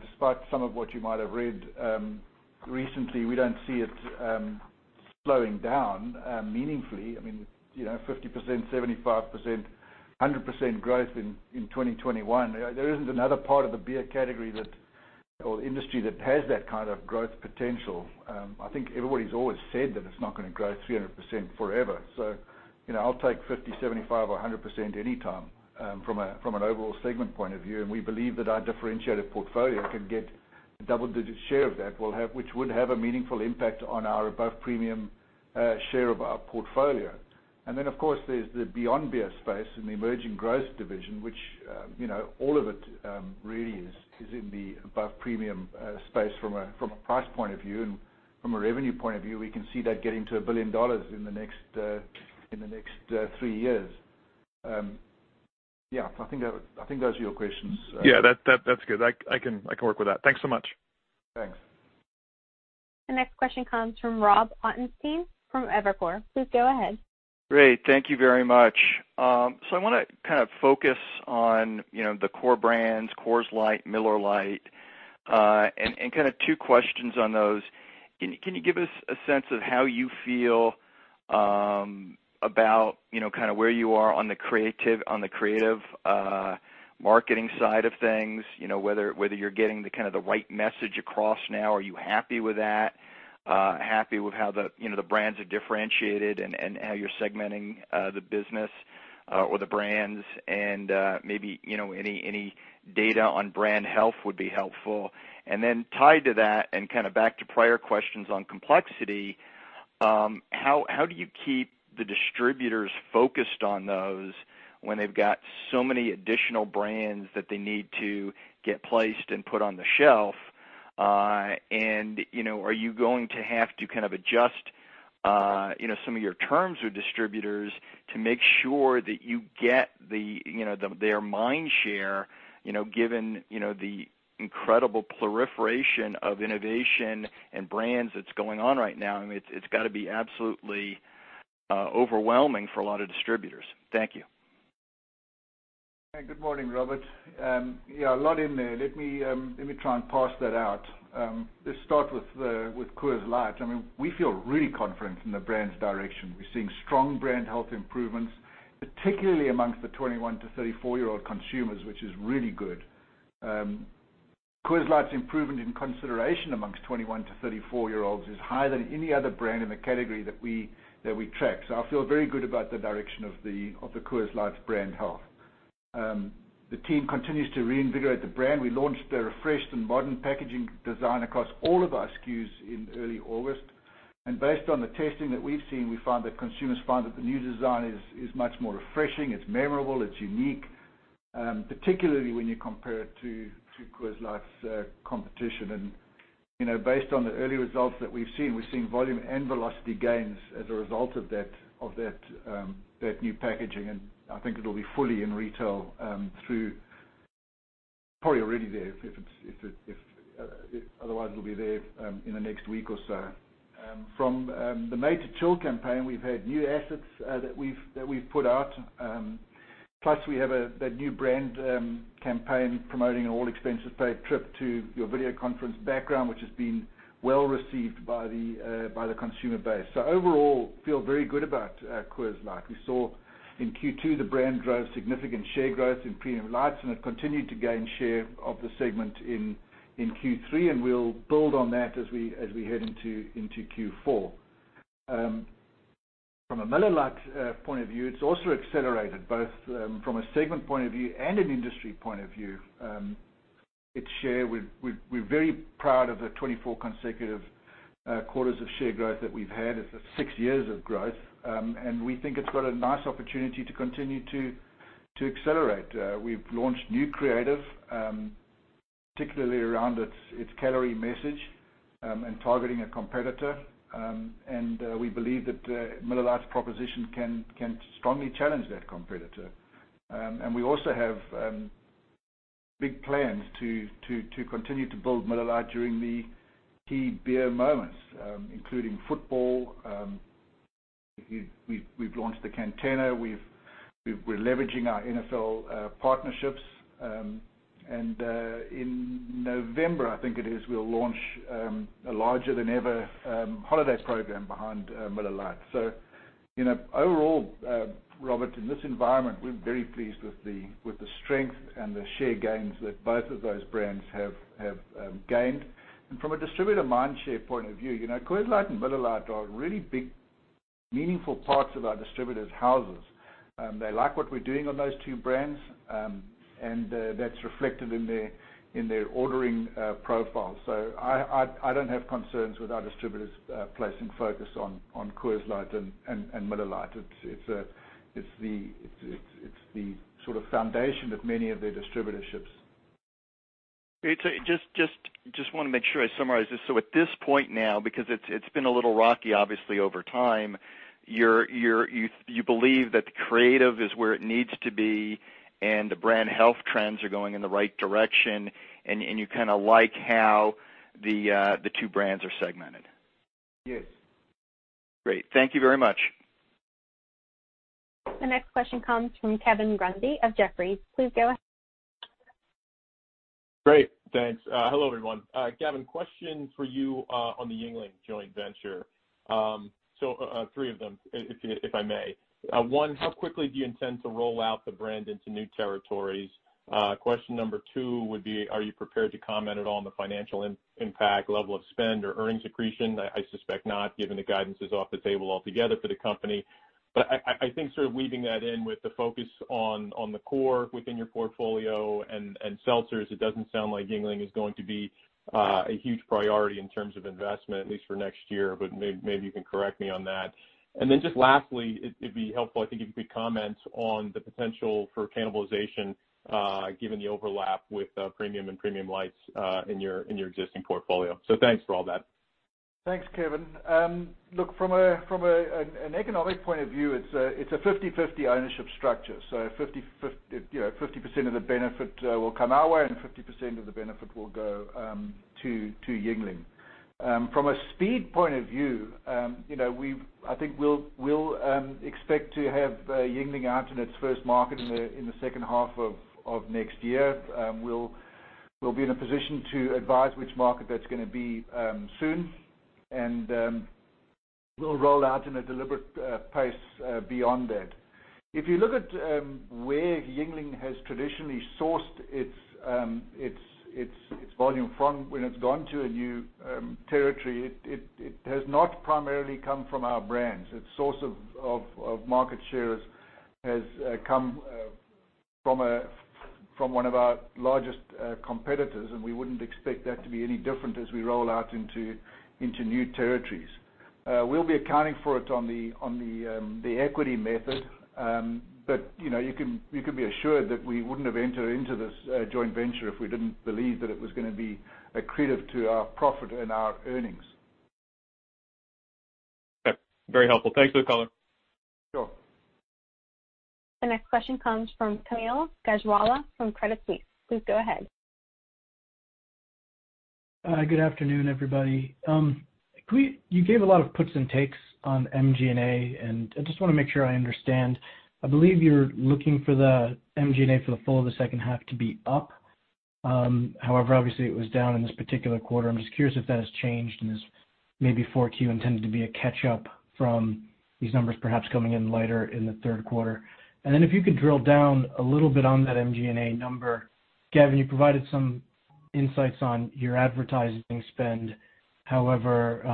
S3: despite some of what you might have read recently, we don't see it slowing down meaningfully. I mean, 50%, 75%, 100% growth in 2021. There isn't another part of the beer category or industry that has that kind of growth potential. I think everybody's always said that it's not going to grow 300% forever. I'll take 50%, 75% or 100% anytime from an overall segment point of view. We believe that our differentiated portfolio can get a double-digit share of that, which would have a meaningful impact on our above-premium share of our portfolio. Of course, there's the beyond beer space and the emerging growth division, which all of it really is in the above-premium space from a price point of view and from a revenue point of view. We can see that getting to $1 billion in the next three years. Yeah, I think those are your questions.
S11: Yeah, that's good. I can work with that. Thanks so much.
S3: Thanks.
S1: The next question comes from Rob Ottenstein from Evercore. Please go ahead.
S12: Great. Thank you very much. I want to focus on the core brands, Coors Light, Miller Lite, and two questions on those. Can you give us a sense of how you feel about where you are on the creative marketing side of things, whether you're getting the right message across now? Are you happy with that, happy with how the brands are differentiated and how you're segmenting the business or the brands? Maybe any data on brand health would be helpful. Then tied to that and back to prior questions on complexity, how do you keep the distributors focused on those when they've got so many additional brands that they need to get placed and put on the shelf? Are you going to have to adjust some of your terms with distributors to make sure that you get their mind share, given the incredible proliferation of innovation and brands that's going on right now? I mean, it's got to be absolutely overwhelming for a lot of distributors. Thank you.
S3: Hey, good morning, Robert. Yeah, a lot in there. Let me try and parse that out. Let's start with Coors Light. I mean, we feel really confident in the brand's direction. We're seeing strong brand health improvements, particularly amongst the 21 to 34-year-old consumers, which is really good. Coors Light's improvement in consideration amongst 21 to 34-year-olds is higher than any other brand in the category that we track. I feel very good about the direction of the Coors Light brand health. The team continues to reinvigorate the brand. We launched a refreshed and modern packaging design across all of our SKUs in early August. Based on the testing that we've seen, we found that consumers find that the new design is much more refreshing, it's memorable, it's unique, particularly when you compare it to Coors Light's competition. Based on the early results that we've seen, we're seeing volume and velocity gains as a result of that new packaging, and I think it'll be fully in retail through, probably already there, otherwise it'll be there in the next week or so. From the Made to Chill campaign, we've had new assets that we've put out, plus we have that new brand campaign promoting an all-expenses-paid trip to your video conference background, which has been well received by the consumer base. Overall, feel very good about Coors Light. We saw in Q2, the brand drove significant share growth in premium lights, and it continued to gain share of the segment in Q3, and we'll build on that as we head into Q4. From a Miller Lite point of view, it's also accelerated, both from a segment point of view and an industry point of view. Its share, we're very proud of the 24 consecutive quarters of share growth that we've had. It's six years of growth. We think it's got a nice opportunity to continue to accelerate. We've launched new creative, particularly around its calorie message and targeting a competitor. We believe that Miller Lite's proposition can strongly challenge that competitor. We also have big plans to continue to build Miller Lite during the key beer moments, including football. We've launched the Cantenna. We're leveraging our NFL partnerships. In November, I think it is, we'll launch a larger-than-ever holiday program behind Miller Lite. Overall, Rob, in this environment, we're very pleased with the strength and the share gains that both of those brands have gained. From a distributor mind share point of view, Coors Light and Miller Lite are really big, meaningful parts of our distributors' houses. They like what we're doing on those two brands, and that's reflected in their ordering profile. I don't have concerns with our distributors placing focus on Coors Light and Miller Lite. It's the foundation of many of their distributorships.
S12: Just want to make sure I summarize this. At this point now, because it's been a little rocky, obviously, over time, you believe that the creative is where it needs to be and the brand health trends are going in the right direction, and you like how the two brands are segmented?
S3: Yes.
S12: Great. Thank you very much.
S1: The next question comes from Kevin Grundy of Jefferies. Please go ahead.
S13: Great. Thanks. Hello, everyone. Gavin, question for you on the Yuengling joint venture. Three of them, if I may. One, how quickly do you intend to roll out the brand into new territories? Question number two would be, are you prepared to comment at all on the financial impact, level of spend or earnings accretion? I suspect not, given the guidance is off the table altogether for the company. I think sort of weaving that in with the focus on the core within your portfolio and seltzers, it doesn't sound like Yuengling is going to be a huge priority in terms of investment, at least for next year, but maybe you can correct me on that. Then just lastly, it'd be helpful I think if you could comment on the potential for cannibalization given the overlap with premium and premium lights in your existing portfolio. Thanks for all that.
S3: Thanks, Kevin. Look, from an economic point of view, it's a 50/50 ownership structure. 50% of the benefit will come our way and 50% of the benefit will go to Yuengling. From a speed point of view, I think we'll expect to have Yuengling out in its first market in the second half of next year. We'll be in a position to advise which market that's going to be soon. We'll roll out in a deliberate pace beyond that. If you look at where Yuengling has traditionally sourced its volume from when it's gone to a new territory, it has not primarily come from our brands. Its source of market shares has come from one of our largest competitors, and we wouldn't expect that to be any different as we roll out into new territories. We'll be accounting for it on the equity method. You can be assured that we wouldn't have entered into this joint venture if we didn't believe that it was going to be accretive to our profit and our earnings.
S13: Okay. Very helpful. Thanks for the color.
S3: Sure.
S1: The next question comes from Kaumil Gajrawala from Credit Suisse. Please go ahead.
S14: Good afternoon, everybody. You gave a lot of puts and takes on MG&A, and I just want to make sure I understand. I believe you're looking for the MG&A for the full of the second half to be up. However, obviously it was down in this particular quarter. I'm just curious if that has changed and is maybe 4Q intended to be a catch-up from these numbers perhaps coming in later in the third quarter. If you could drill down a little bit on that MG&A number. Gavin, you provided some insights on your advertising spend. However,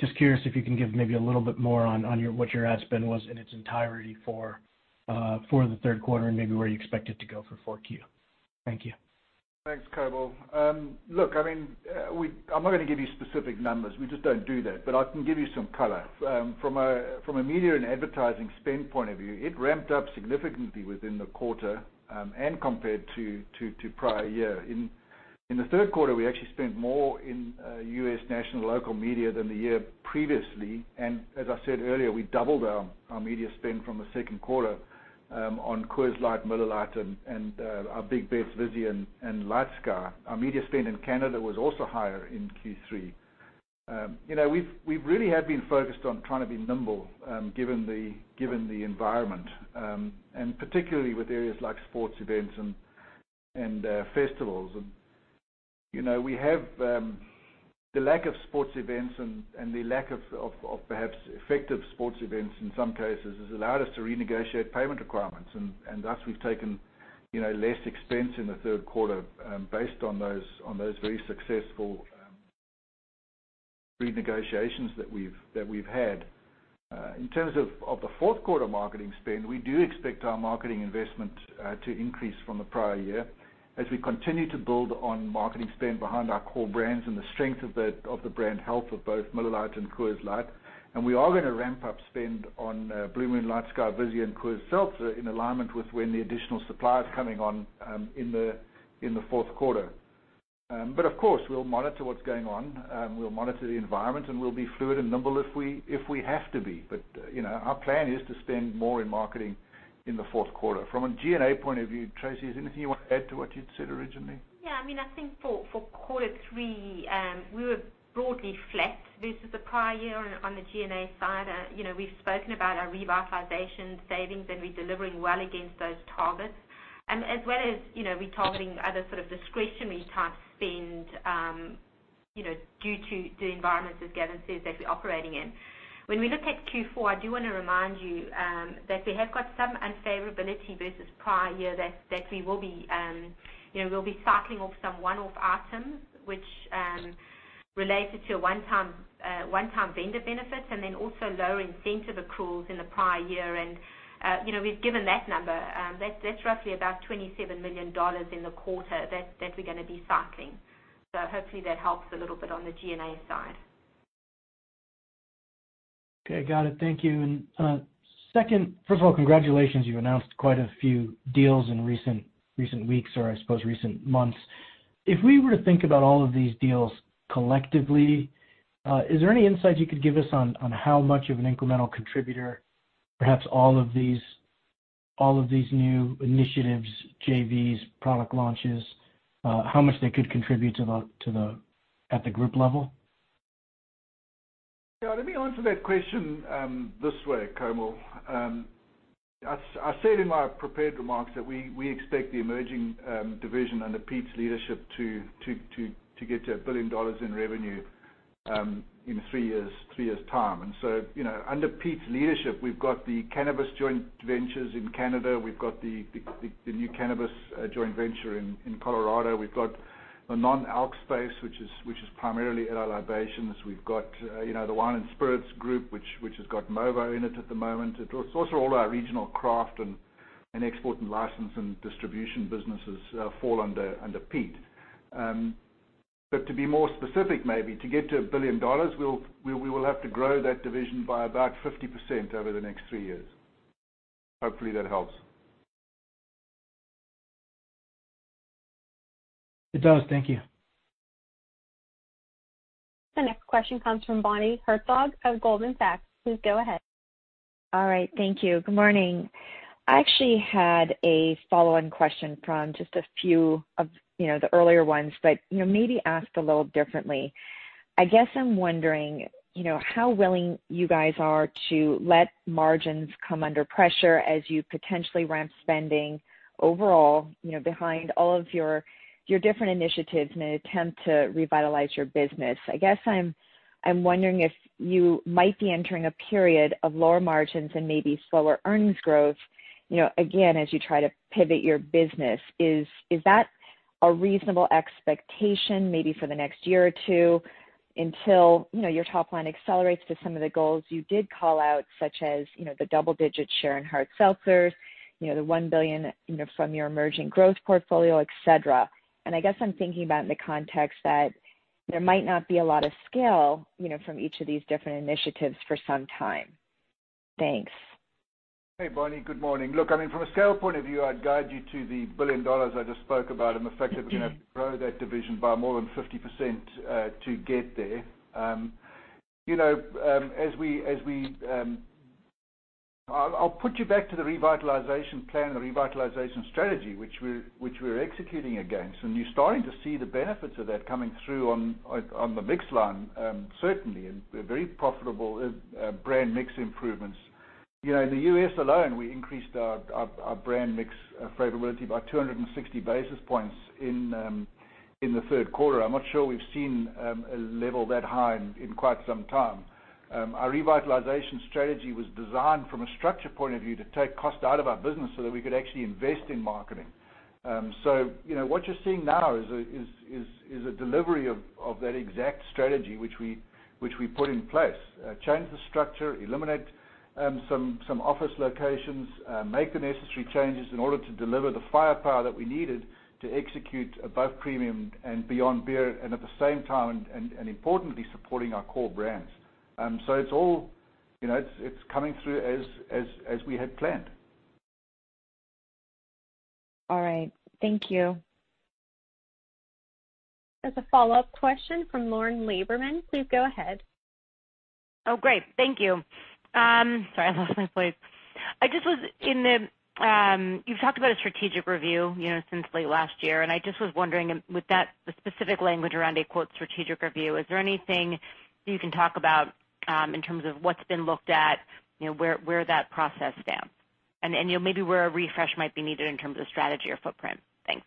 S14: just curious if you can give maybe a little bit more on what your ad spend was in its entirety for the third quarter and maybe where you expect it to go for 4Q. Thank you.
S3: Thanks, Kaumil. I'm not going to give you specific numbers. We just don't do that. I can give you some color. From a media and advertising spend point of view, it ramped up significantly within the quarter, and compared to prior year. In the third quarter, we actually spent more in U.S. national local media than the year previously. As I said earlier, we doubled our media spend from the second quarter on Coors Light, Miller Lite, and our big bets, Vizzy and LightSky. Our media spend in Canada was also higher in Q3. We really have been focused on trying to be nimble, given the environment, and particularly with areas like sports events and festivals. The lack of sports events and the lack of perhaps effective sports events in some cases has allowed us to renegotiate payment requirements. Thus, we've taken less expense in the third quarter based on those very successful renegotiations that we've had. In terms of the fourth quarter marketing spend, we do expect our marketing investment to increase from the prior year as we continue to build on marketing spend behind our core brands and the strength of the brand health of both Miller Lite and Coors Light. We are going to ramp up spend on Blue Moon, LightSky, Vizzy, and Coors Seltzer in alignment with when the additional supply is coming on in the fourth quarter. Of course, we'll monitor what's going on. We'll monitor the environment, and we'll be fluid and nimble if we have to be. Our plan is to spend more in marketing in the fourth quarter. From a G&A point of view, Tracey, is there anything you want to add to what you'd said originally?
S4: Yeah. I think for quarter three, we were broadly flat versus the prior year on the G&A side. We've spoken about our revitalization savings and we're delivering well against those targets, as well as retargeting other sort of discretionary type spend due to the environment, as Gavin says, that we're operating in. When we look at Q4, I do want to remind you that we have got some unfavorability versus prior year that we will be cycling off some one-off items which related to a one-time vendor benefit, and then also low incentive accruals in the prior year. We've given that number. That's roughly about $27 million in the quarter that we're going to be cycling. Hopefully that helps a little bit on the G&A side.
S14: Okay. Got it. Thank you. First of all, congratulations. You've announced quite a few deals in recent weeks or I suppose recent months. If we were to think about all of these deals collectively, is there any insight you could give us on how much of an incremental contributor, perhaps all of these new initiatives, JVs, product launches, how much they could contribute at the group level?
S3: Let me answer that question this way, Kaumil. I said in my prepared remarks that we expect the emerging division under Pete's leadership to get to $1 billion in revenue in three years' time. Under Pete's leadership, we've got the cannabis joint ventures in Canada. We've got the new cannabis joint venture in Colorado. We've got the non-alc space, which is primarily L.A. Libations. We've got the wine and spirits group, which has got Movo in it at the moment. It's also all our regional craft and export and license and distribution businesses fall under Pete. To be more specific maybe, to get to $1 billion, we will have to grow that division by about 50% over the next three years. Hopefully that helps.
S14: It does. Thank you.
S1: The next question comes from Bonnie Herzog of Goldman Sachs. Please go ahead.
S15: All right. Thank you. Good morning. I actually had a follow-on question from just a few of the earlier ones, but maybe asked a little differently. I guess I'm wondering, how willing you guys are to let margins come under pressure as you potentially ramp spending overall, behind all of your different initiatives in an attempt to revitalize your business. I guess I'm wondering if you might be entering a period of lower margins and maybe slower earnings growth, again, as you try to pivot your business. Is that a reasonable expectation maybe for the next year or two until your top line accelerates to some of the goals you did call out, such as, the double-digit share in hard seltzers, the $1 billion from your emerging growth portfolio, et cetera. I guess I'm thinking about in the context that there might not be a lot of scale from each of these different initiatives for some time. Thanks.
S3: Hey, Bonnie. Good morning. Look, from a scale point of view, I'd guide you to the $1 billion I just spoke about and the fact that we're going to have to grow that division by more than 50% to get there. I'll put you back to the Revitalization Plan or revitalization strategy, which we're executing against, and you're starting to see the benefits of that coming through on the mix line, certainly, and very profitable brand mix improvements. In the U.S. alone, we increased our brand mix favorability by 260 basis points in the third quarter. I'm not sure we've seen a level that high in quite some time. Our revitalization strategy was designed from a structure point of view to take cost out of our business so that we could actually invest in marketing. What you're seeing now is a delivery of that exact strategy, which we put in place. Change the structure, eliminate some office locations, make the necessary changes in order to deliver the firepower that we needed to execute Above Premium and Beyond Beer, and at the same time, and importantly, supporting our core brands. It's coming through as we had planned.
S15: All right. Thank you.
S1: There's a follow-up question from Lauren Lieberman. Please go ahead.
S6: Oh, great. Thank you. Sorry, I lost my place. You've talked about a strategic review since late last year, and I just was wondering, with that specific language around a quote strategic review, is there anything you can talk about in terms of what's been looked at, where that process stands? Maybe where a refresh might be needed in terms of strategy or footprint. Thanks.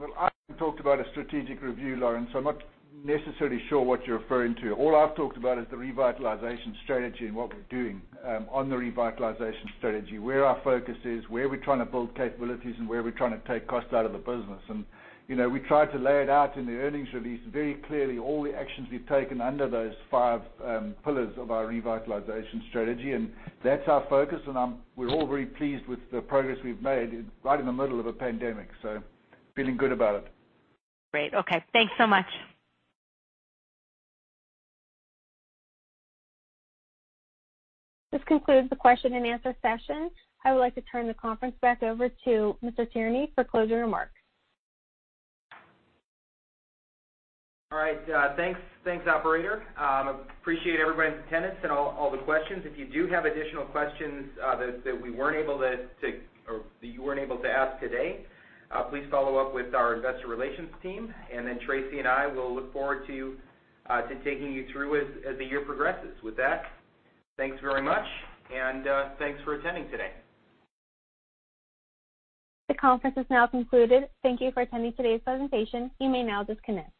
S3: I haven't talked about a strategic review, Lauren, so I'm not necessarily sure what you're referring to. All I've talked about is the revitalization strategy and what we're doing on the revitalization strategy, where our focus is, where we're trying to build capabilities, and where we're trying to take cost out of the business. We tried to lay it out in the earnings release very clearly all the actions we've taken under those five pillars of our revitalization strategy, and that's our focus, and we're all very pleased with the progress we've made right in the middle of a pandemic. Feeling good about it.
S6: Great. Okay. Thanks so much.
S1: This concludes the question and answer session. I would like to turn the conference back over to Mr. Tierney for closing remarks.
S2: All right. Thanks, operator. Appreciate everybody's attendance and all the questions. If you do have additional questions that you weren't able to ask today, please follow up with our investor relations team, and then Traci and I will look forward to taking you through as the year progresses. With that, thanks very much, and thanks for attending today.
S1: The conference is now concluded. Thank you for attending today's presentation. You may now disconnect.